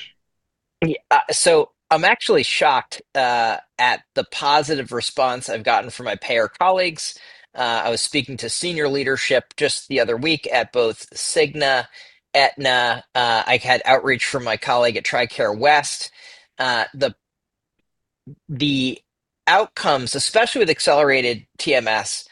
I'm actually shocked at the positive response I've gotten from my payer colleagues. I was speaking to senior leadership just the other week at both Cigna and Aetna. I had outreach from my colleague at Tricare West. The outcomes, especially with accelerated TMS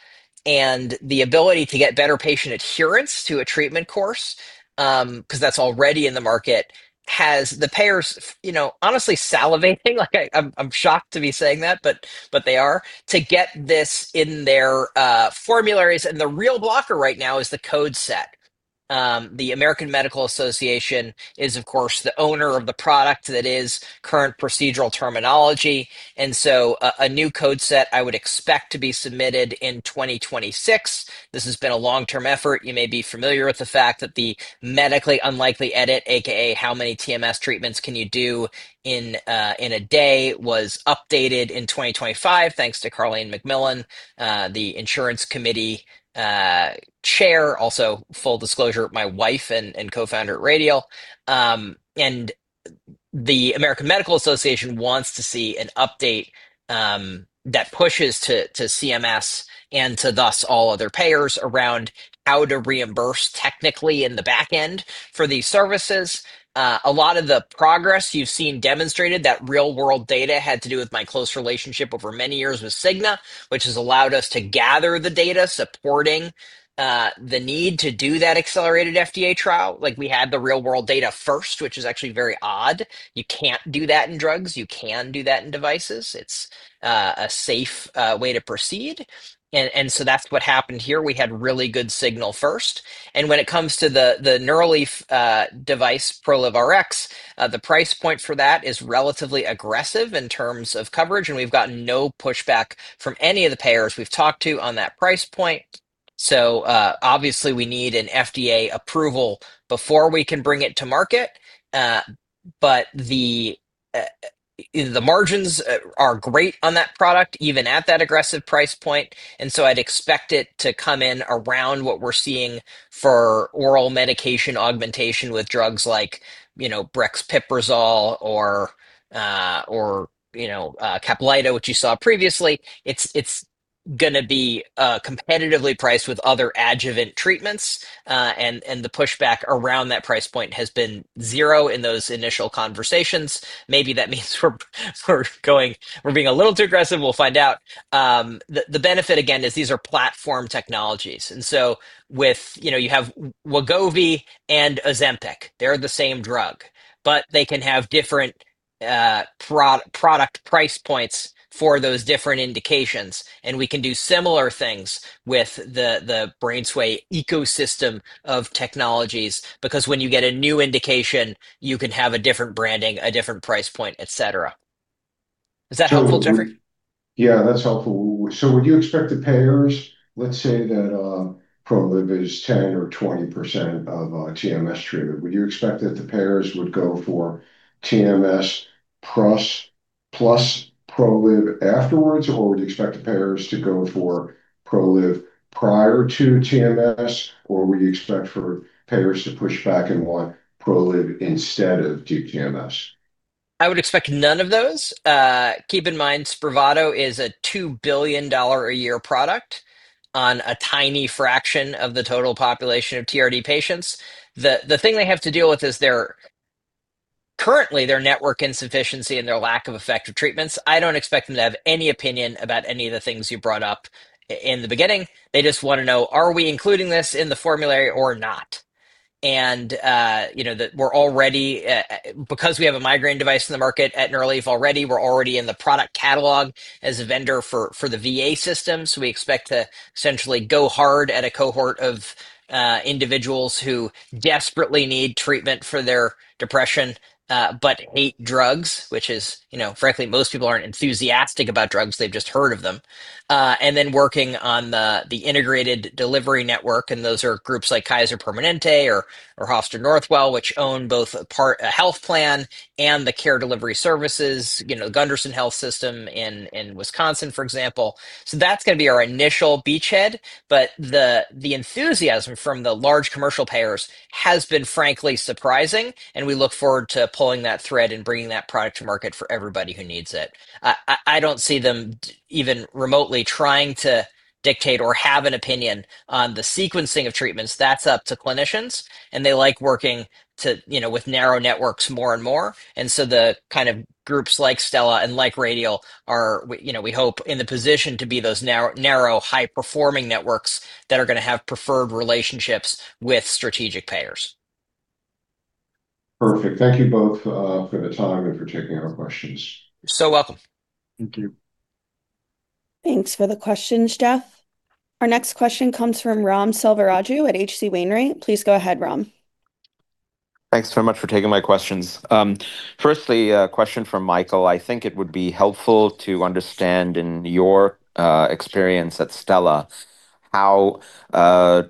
and the ability to get better patient adherence to a treatment course because that's already in the market, has the payers honestly salivating. I'm shocked to be saying that, but they are to get this in their formularies. The real blocker right now is the code set. The American Medical Association is, of course, the owner of the product that is current procedural terminology. A new code set I would expect to be submitted in 2026. This has been a long-term effort. You may be familiar with the fact that the medically unlikely edit, a.k.a. how many TMS treatments can you do in a day, was updated in 2025, thanks to Carleen McMillan, the Insurance Committee Chair, also full disclosure, my wife and co-founder at Radial. The American Medical Association wants to see an update that pushes to CMS and to thus all other payers around how to reimburse technically in the back end for these services. A lot of the progress you've seen demonstrated, that real-world data had to do with my close relationship over many years with Cigna, which has allowed us to gather the data supporting the need to do that accelerated FDA trial. We had the real-world data first, which is actually very odd. You can't do that in drugs. You can do that in devices. It's a safe way to proceed. That's what happened here. We had really good signal first. When it comes to the Neuralif device, Proliv RX, the price point for that is relatively aggressive in terms of coverage. We've gotten no pushback from any of the payers we've talked to on that price point. Obviously, we need an FDA approval before we can bring it to market. The margins are great on that product, even at that aggressive price point. I'd expect it to come in around what we're seeing for oral medication augmentation with drugs like brexpiprazole or Caplyta, which you saw previously. It's going to be competitively priced with other adjuvant treatments. The pushback around that price point has been zero in those initial conversations. Maybe that means we're being a little too aggressive. We'll find out. The benefit, again, is these are platform technologies. You have Wegovy and Ozempic. They're the same drug, but they can have different product price points for those different indications. We can do similar things with the BrainsWay ecosystem of technologies because when you get a new indication, you can have a different branding, a different price point, etc. Is that helpful, Jeffrey? Yeah, that's helpful. Would you expect the payers, let's say that Proliv is 10% or 20% of TMS treatment, would you expect that the payers would go for TMS plus Proliv afterwards, or would you expect the payers to go for Proliv prior to TMS, or would you expect for payers to push back and want Proliv instead of Deep TMS? I would expect none of those. Keep in mind, Spravato is a $2 billion a year product on a tiny fraction of the total population of TRD patients. The thing they have to deal with is currently their network insufficiency and their lack of effective treatments. I do not expect them to have any opinion about any of the things you brought up in the beginning. They just want to know, are we including this in the formulary or not? Because we have a migraine device in the market at Neuralif already, we are already in the product catalog as a vendor for the VA system. We expect to essentially go hard at a cohort of individuals who desperately need treatment for their depression, but hate drugs, which is, frankly, most people are not enthusiastic about drugs. They have just heard of them. We are working on the integrated delivery network, and those are groups like Kaiser Permanente or Hofstra Northwell, which own both a health plan and the care delivery services, Gunderson Health System in Wisconsin, for example. That is going to be our initial beachhead. The enthusiasm from the large commercial payers has been, frankly, surprising, and we look forward to pulling that thread and bringing that product to market for everybody who needs it. I do not see them even remotely trying to dictate or have an opinion on the sequencing of treatments. That is up to clinicians, and they like working with narrow networks more and more. The kind of groups like Stella and like Radial are, we hope, in the position to be those narrow, high-performing networks that are going to have preferred relationships with strategic payers. Perfect. Thank you both for the talk and for taking our questions. You are welcome. Thank you. Thanks for the questions, Jeff. Our next question comes from Ram Selvaraju at H.C. Wainwright. Please go ahead, Ram. Thanks so much for taking my questions. Firstly, a question from Michael. I think it would be helpful to understand in your experience at Stella how a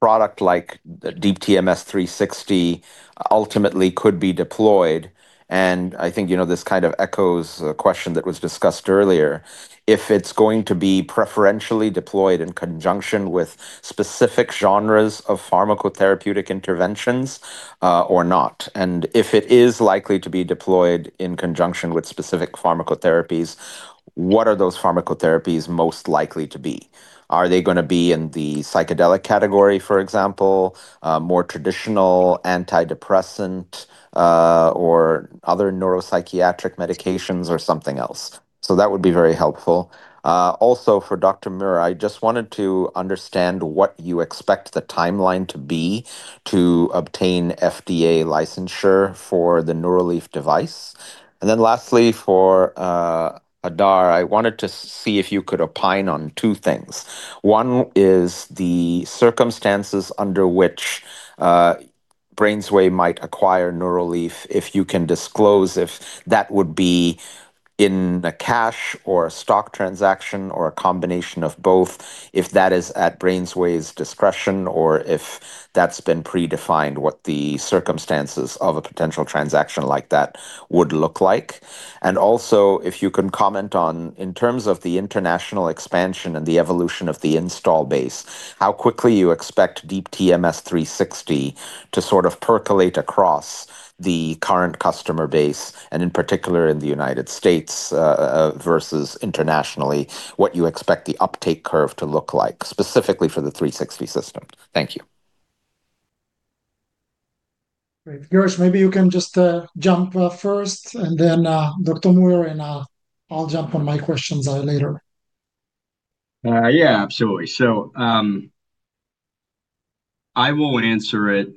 product like Deep TMS 360 ultimately could be deployed. I think this kind of echoes a question that was discussed earlier, if it is going to be preferentially deployed in conjunction with specific genres of pharmacotherapeutic interventions or not. If it is likely to be deployed in conjunction with specific pharmacotherapies, what are those pharmacotherapies most likely to be? Are they going to be in the psychedelic category, for example, more traditional antidepressant or other neuropsychiatric medications or something else? That would be very helpful. Also, for Dr. Miur, I just wanted to understand what you expect the timeline to be to obtain FDA licensure for the Neuralif device. Lastly, for Hadar, I wanted to see if you could opine on two things. One is the circumstances under which BrainsWay might acquire Neuralif, if you can disclose if that would be in a cash or a stock transaction or a combination of both, if that is at BrainsWay's discretion or if that's been predefined, what the circumstances of a potential transaction like that would look like. Also, if you can comment on, in terms of the international expansion and the evolution of the install base, how quickly you expect Deep TMS 360 to sort of percolate across the current customer base, and in particular in the United States versus internationally, what you expect the uptake curve to look like, specifically for the 360 system. Thank you. Great. Gersh, maybe you can just jump first and then Dr. Muir, and I'll jump on my questions later. Yeah, absolutely. I will answer it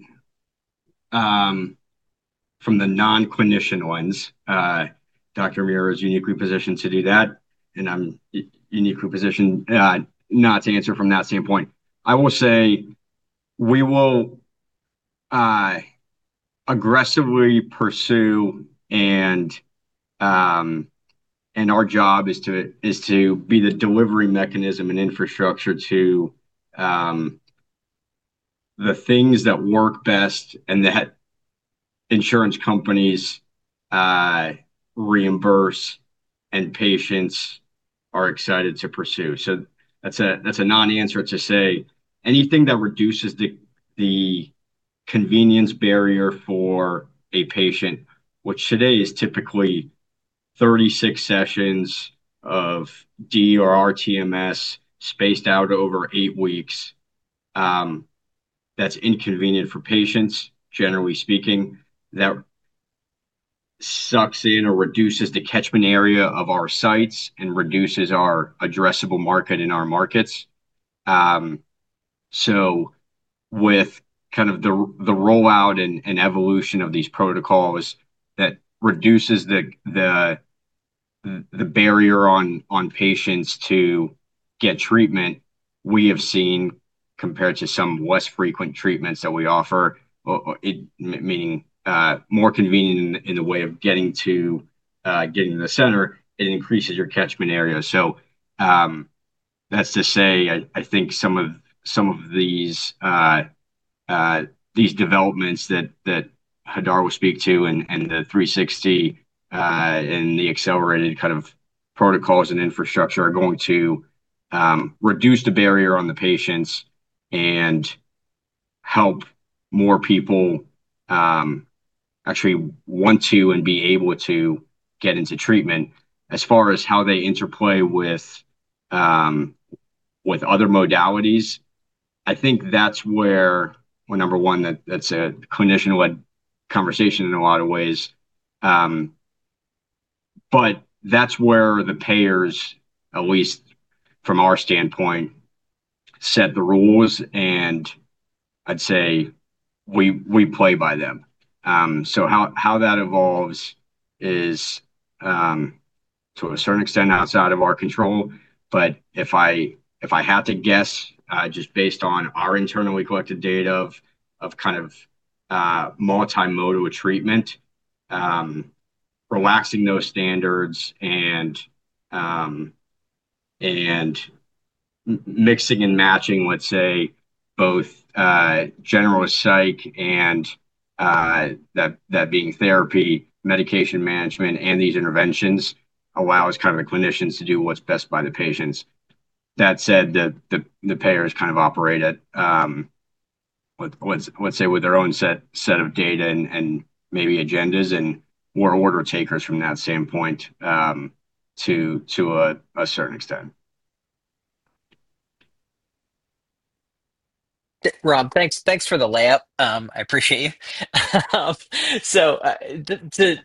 from the non-clinician ones. Dr. Muir is uniquely positioned to do that, and I'm uniquely positioned not to answer from that standpoint. I will say we will aggressively pursue, and our job is to be the delivery mechanism and infrastructure to the things that work best and that insurance companies reimburse and patients are excited to pursue. That is a non-answer to say anything that reduces the convenience barrier for a patient, which today is typically 36 sessions of D or RTMS spaced out over eight weeks, that is inconvenient for patients, generally speaking, that sucks in or reduces the catchment area of our sites and reduces our addressable market in our markets. With kind of the rollout and evolution of these protocols that reduces the barrier on patients to get treatment, we have seen compared to some less frequent treatments that we offer, meaning more convenient in the way of getting to the center, it increases your catchment area. That's to say, I think some of these developments that Hadar will speak to and the 360 and the accelerated kind of protocols and infrastructure are going to reduce the barrier on the patients and help more people actually want to and be able to get into treatment. As far as how they interplay with other modalities, I think that's where, number one, that's a clinician-led conversation in a lot of ways. That's where the payers, at least from our standpoint, set the rules, and I'd say we play by them. How that evolves is, to a certain extent, outside of our control. If I have to guess, just based on our internally collected data of kind of multi-modal treatment, relaxing those standards and mixing and matching, let's say, both general psych and that being therapy, medication management, and these interventions allows kind of clinicians to do what's best by the patients. That said, the payers kind of operate, let's say, with their own set of data and maybe agendas and we are order takers from that standpoint to a certain extent. Ram, thanks for the layup. I appreciate you.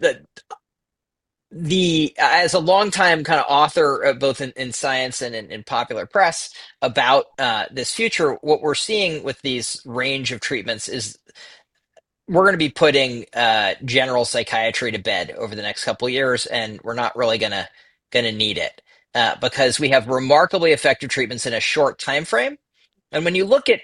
As a longtime kind of author both in science and in popular press about this future, what we're seeing with these range of treatments is we're going to be putting general psychiatry to bed over the next couple of years, and we're not really going to need it because we have remarkably effective treatments in a short time frame. When you look at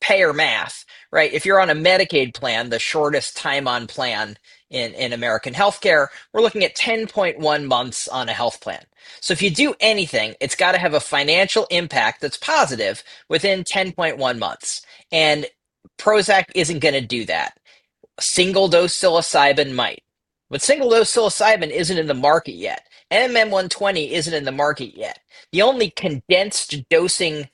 payer math, right, if you're on a Medicaid plan, the shortest time on plan in American healthcare, we're looking at 10.1 months on a health plan. If you do anything, it's got to have a financial impact that's positive within 10.1 months. Prozac isn't going to do that. Single-dose psilocybin might. Single-dose psilocybin isn't in the market yet. NMN-120 isn't in the market yet. The only condensed dosing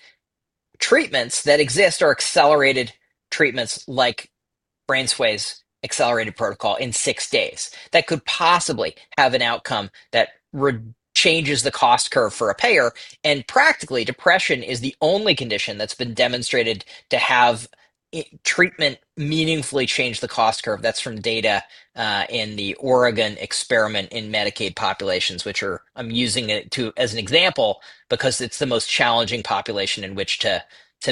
treatments that exist are accelerated treatments like BrainsWay's accelerated protocol in six days. That could possibly have an outcome that changes the cost curve for a payer. Practically, depression is the only condition that's been demonstrated to have treatment meaningfully change the cost curve. That's from data in the Oregon experiment in Medicaid populations, which I'm using as an example because it's the most challenging population in which to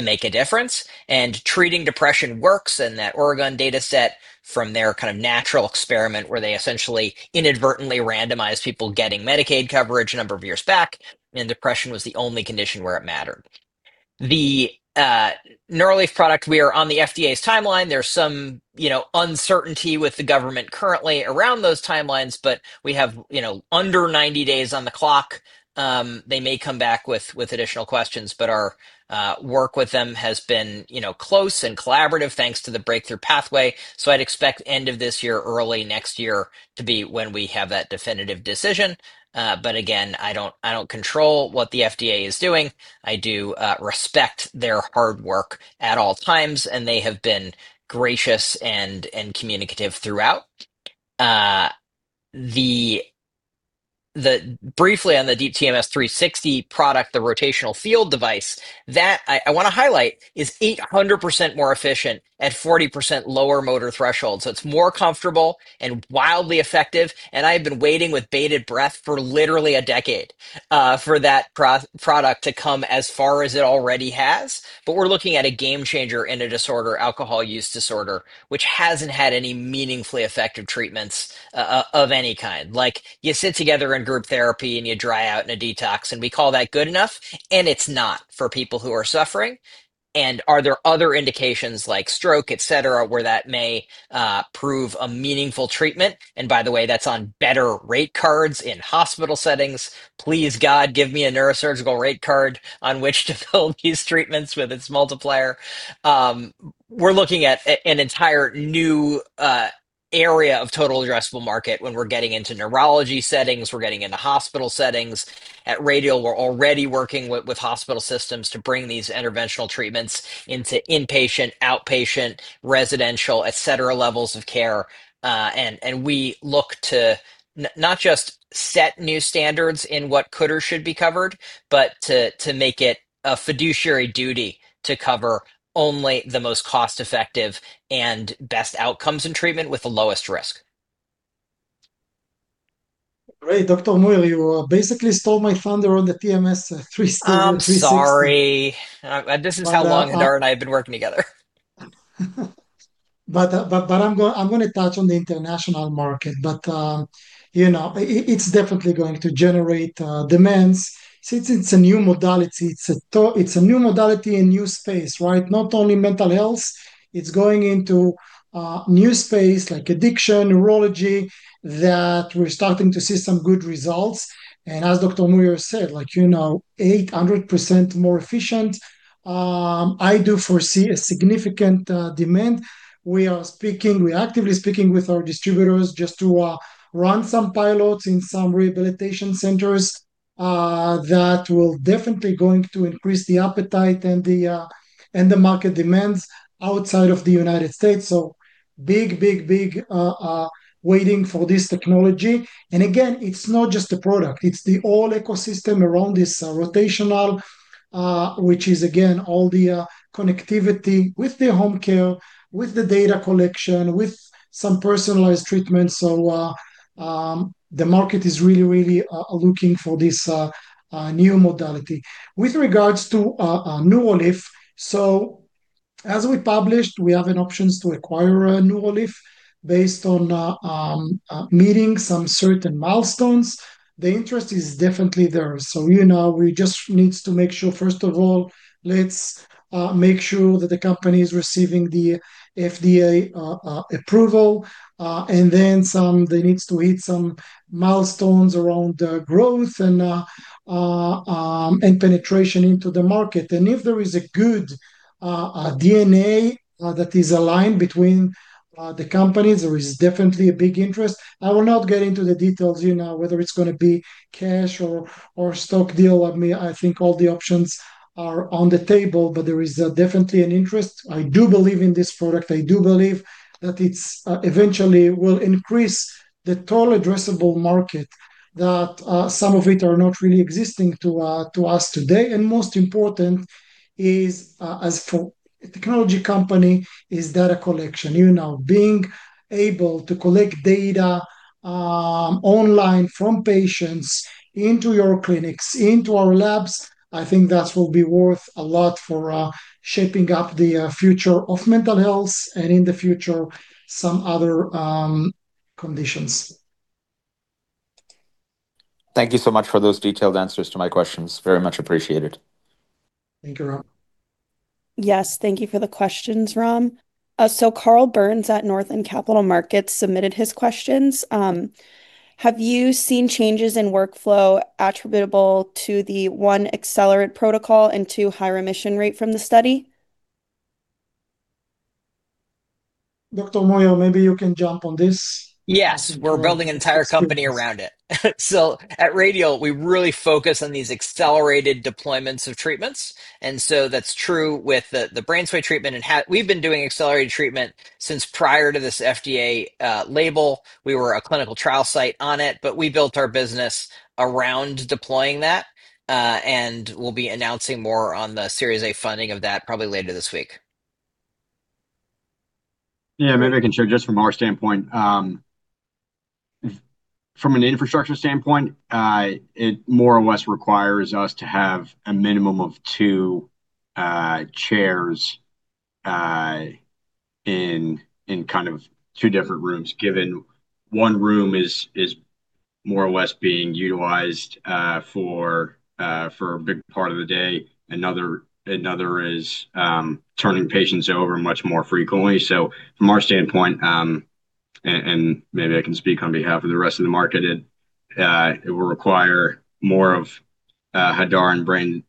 make a difference. Treating depression works in that Oregon data set from their kind of natural experiment where they essentially inadvertently randomized people getting Medicaid coverage a number of years back, and depression was the only condition where it mattered. The Neuralif product, we are on the FDA's timeline. There's some uncertainty with the government currently around those timelines, but we have under 90 days on the clock. They may come back with additional questions, but our work with them has been close and collaborative thanks to the breakthrough pathway. I'd expect end of this year, early next year to be when we have that definitive decision. Again, I don't control what the FDA is doing. I do respect their hard work at all times, and they have been gracious and communicative throughout. Briefly, on the Deep TMS 360 product, the rotational field device, that I want to highlight is 800% more efficient at 40% lower motor threshold. So it's more comfortable and wildly effective. I've been waiting with bated breath for literally a decade for that product to come as far as it already has. We're looking at a game changer in a disorder, alcohol use disorder, which hasn't had any meaningfully effective treatments of any kind. Like you sit together in group therapy and you dry out in a detox, and we call that good enough, and it's not for people who are suffering. Are there other indications like stroke, etc., where that may prove a meaningful treatment? By the way, that's on better rate cards in hospital settings. Please God, give me a neurosurgical rate card on which to fill these treatments with its multiplier. We're looking at an entire new area of total addressable market when we're getting into neurology settings, we're getting into hospital settings. At Radial, we're already working with hospital systems to bring these interventional treatments into inpatient, outpatient, residential, etc., levels of care. We look to not just set new standards in what could or should be covered, but to make it a fiduciary duty to cover only the most cost-effective and best outcomes in treatment with the lowest risk. Great. Dr. Muir, you basically stole my thunder on the Deep TMS 360. I'm sorry. This is how long Hadar and I have been working together. I'm going to touch on the international market. It's definitely going to generate demands. Since it's a new modality, it's a new modality and new space, right? Not only mental health, it's going into a new space like addiction, neurology that we're starting to see some good results. As Dr. Muir said, like 800% more efficient, I do foresee a significant demand. We are actively speaking with our distributors just to run some pilots in some rehabilitation centers that will definitely increase the appetite and the market demands outside of the United States. Big, big, big waiting for this technology. Again, it's not just a product. It's the whole ecosystem around this rotational, which is again, all the connectivity with the home care, with the data collection, with some personalized treatments. The market is really, really looking for this new modality. With regards to Neuralif, as we published, we have options to acquire Neuralif based on meeting some certain milestones. The interest is definitely there. We just need to make sure, first of all, let's make sure that the company is receiving the FDA approval. Then they need to hit some milestones around growth and penetration into the market. If there is a good DNA that is aligned between the companies, there is definitely a big interest. I will not get into the details whether it's going to be a cash or stock deal. I think all the options are on the table, but there is definitely an interest. I do believe in this product. I do believe that it eventually will increase the total addressable market that some of it is not really existing to us today. Most important is, as for a technology company, data collection. Being able to collect data online from patients into your clinics, into our labs, I think that will be worth a lot for shaping up the future of mental health and in the future some other conditions. Thank you so much for those detailed answers to my questions. Very much appreciated. Thank you, Ram. Yes, thank you for the questions, Ram. Karl Burns at Northland Capital Markets submitted his questions. Have you seen changes in workflow attributable to the one accelerate protocol and two high remission rate from the study? Dr. Muir, maybe you can jump on this. Yes, we're building an entire company around it. At Radial, we really focus on these accelerated deployments of treatments. That is true with the BrainsWay treatment. We've been doing accelerated treatment since prior to this FDA label. We were a clinical trial site on it, but we built our business around deploying that. We'll be announcing more on the Series A funding of that probably later this week. Yeah, maybe I can share just from our standpoint. From an infrastructure standpoint, it more or less requires us to have a minimum of two chairs in kind of two different rooms, given one room is more or less being utilized for a big part of the day. Another is turning patients over much more frequently. From our standpoint, and maybe I can speak on behalf of the rest of the market, it will require more of Hadar and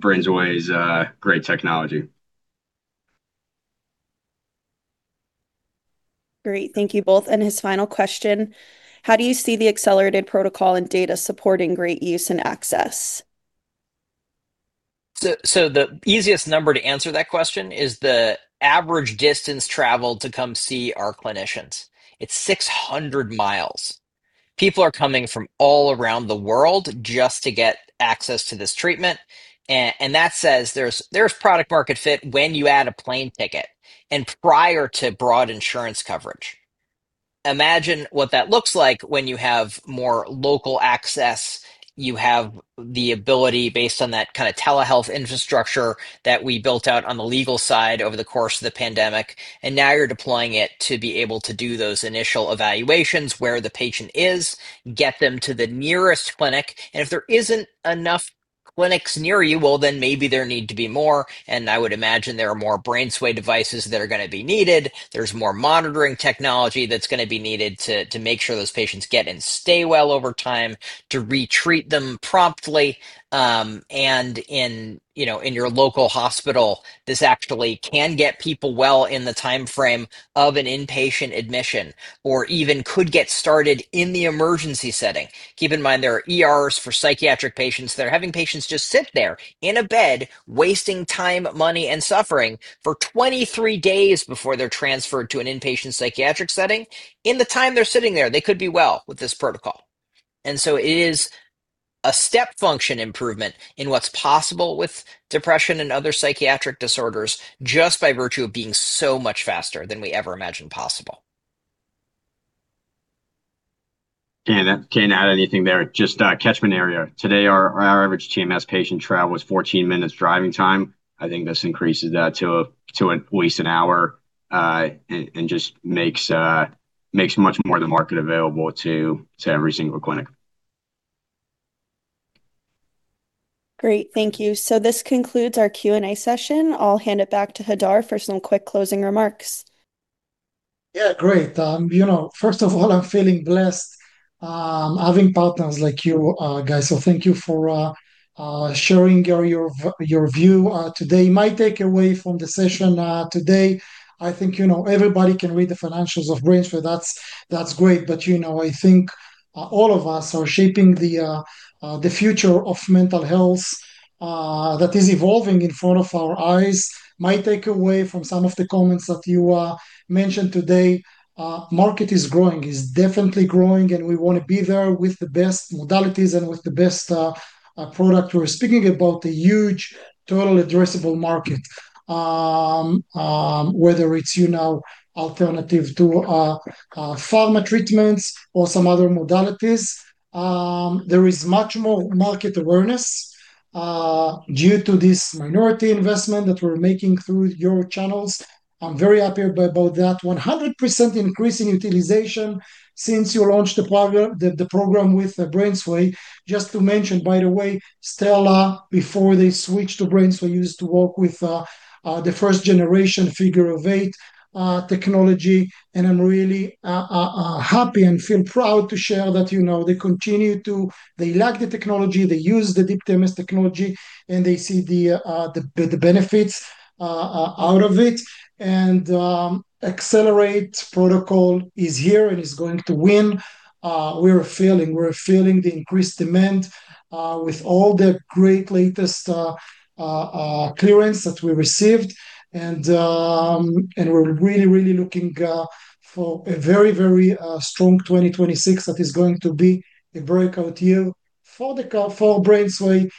BrainsWay's great technology. Great. Thank you both. His final question, how do you see the accelerated protocol and data supporting great use and access? The easiest number to answer that question is the average distance traveled to come see our clinicians. It's 600 mi. People are coming from all around the world just to get access to this treatment. That says there's product-market fit when you add a plane ticket and prior to broad insurance coverage. Imagine what that looks like when you have more local access, you have the ability based on that kind of telehealth infrastructure that we built out on the legal side over the course of the pandemic. Now you're deploying it to be able to do those initial evaluations where the patient is, get them to the nearest clinic. If there are not enough clinics near you, maybe there need to be more. I would imagine there are more BrainsWay devices that are going to be needed. There's more monitoring technology that's going to be needed to make sure those patients get and stay well over time, to retreat them promptly. In your local hospital, this actually can get people well in the timeframe of an inpatient admission or even could get started in the emergency setting. Keep in mind, there are ERs for psychiatric patients. They're having patients just sit there in a bed, wasting time, money, and suffering for 23 days before they're transferred to an inpatient psychiatric setting. In the time they're sitting there, they could be well with this protocol. It is a step function improvement in what's possible with depression and other psychiatric disorders just by virtue of being so much faster than we ever imagined possible. Can't add anything there. Just catchment area. Today, our average TMS patient travel is 14 minutes driving time. I think this increases that to at least an hour and just makes much more of the market available to every single clinic. Great. Thank you. This concludes our Q&A session. I'll hand it back to Hadar for some quick closing remarks. Yeah, great. First of all, I'm feeling blessed having partners like you guys. Thank you for sharing your view today. My takeaway from the session today, I think everybody can read the financials of BrainsWay. That's great. I think all of us are shaping the future of mental health that is evolving in front of our eyes. My takeaway from some of the comments that you mentioned today, market is growing, is definitely growing, and we want to be there with the best modalities and with the best product. We're speaking about a huge total addressable market, whether it's alternative to pharma treatments or some other modalities. There is much more market awareness due to this minority investment that we're making through your channels. I'm very happy about that 100% increase in utilization since you launched the program with BrainsWay. Just to mention, by the way, Stella, before they switched to BrainsWay, used to work with the first-generation figure of eight technology. I'm really happy and feel proud to share that they continue to, they like the technology, they use the Deep TMS technology, and they see the benefits out of it. Accelerated protocol is here and is going to win. We are feeling, we're feeling the increased demand with all the great latest clearance that we received. We are really, really looking for a very, very strong 2026 that is going to be a breakout year for BrainsWay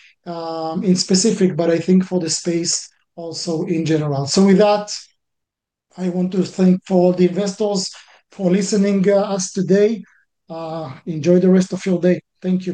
in specific, but I think for the space also in general. With that, I want to thank all the investors for listening to us today. Enjoy the rest of your day. Thank you.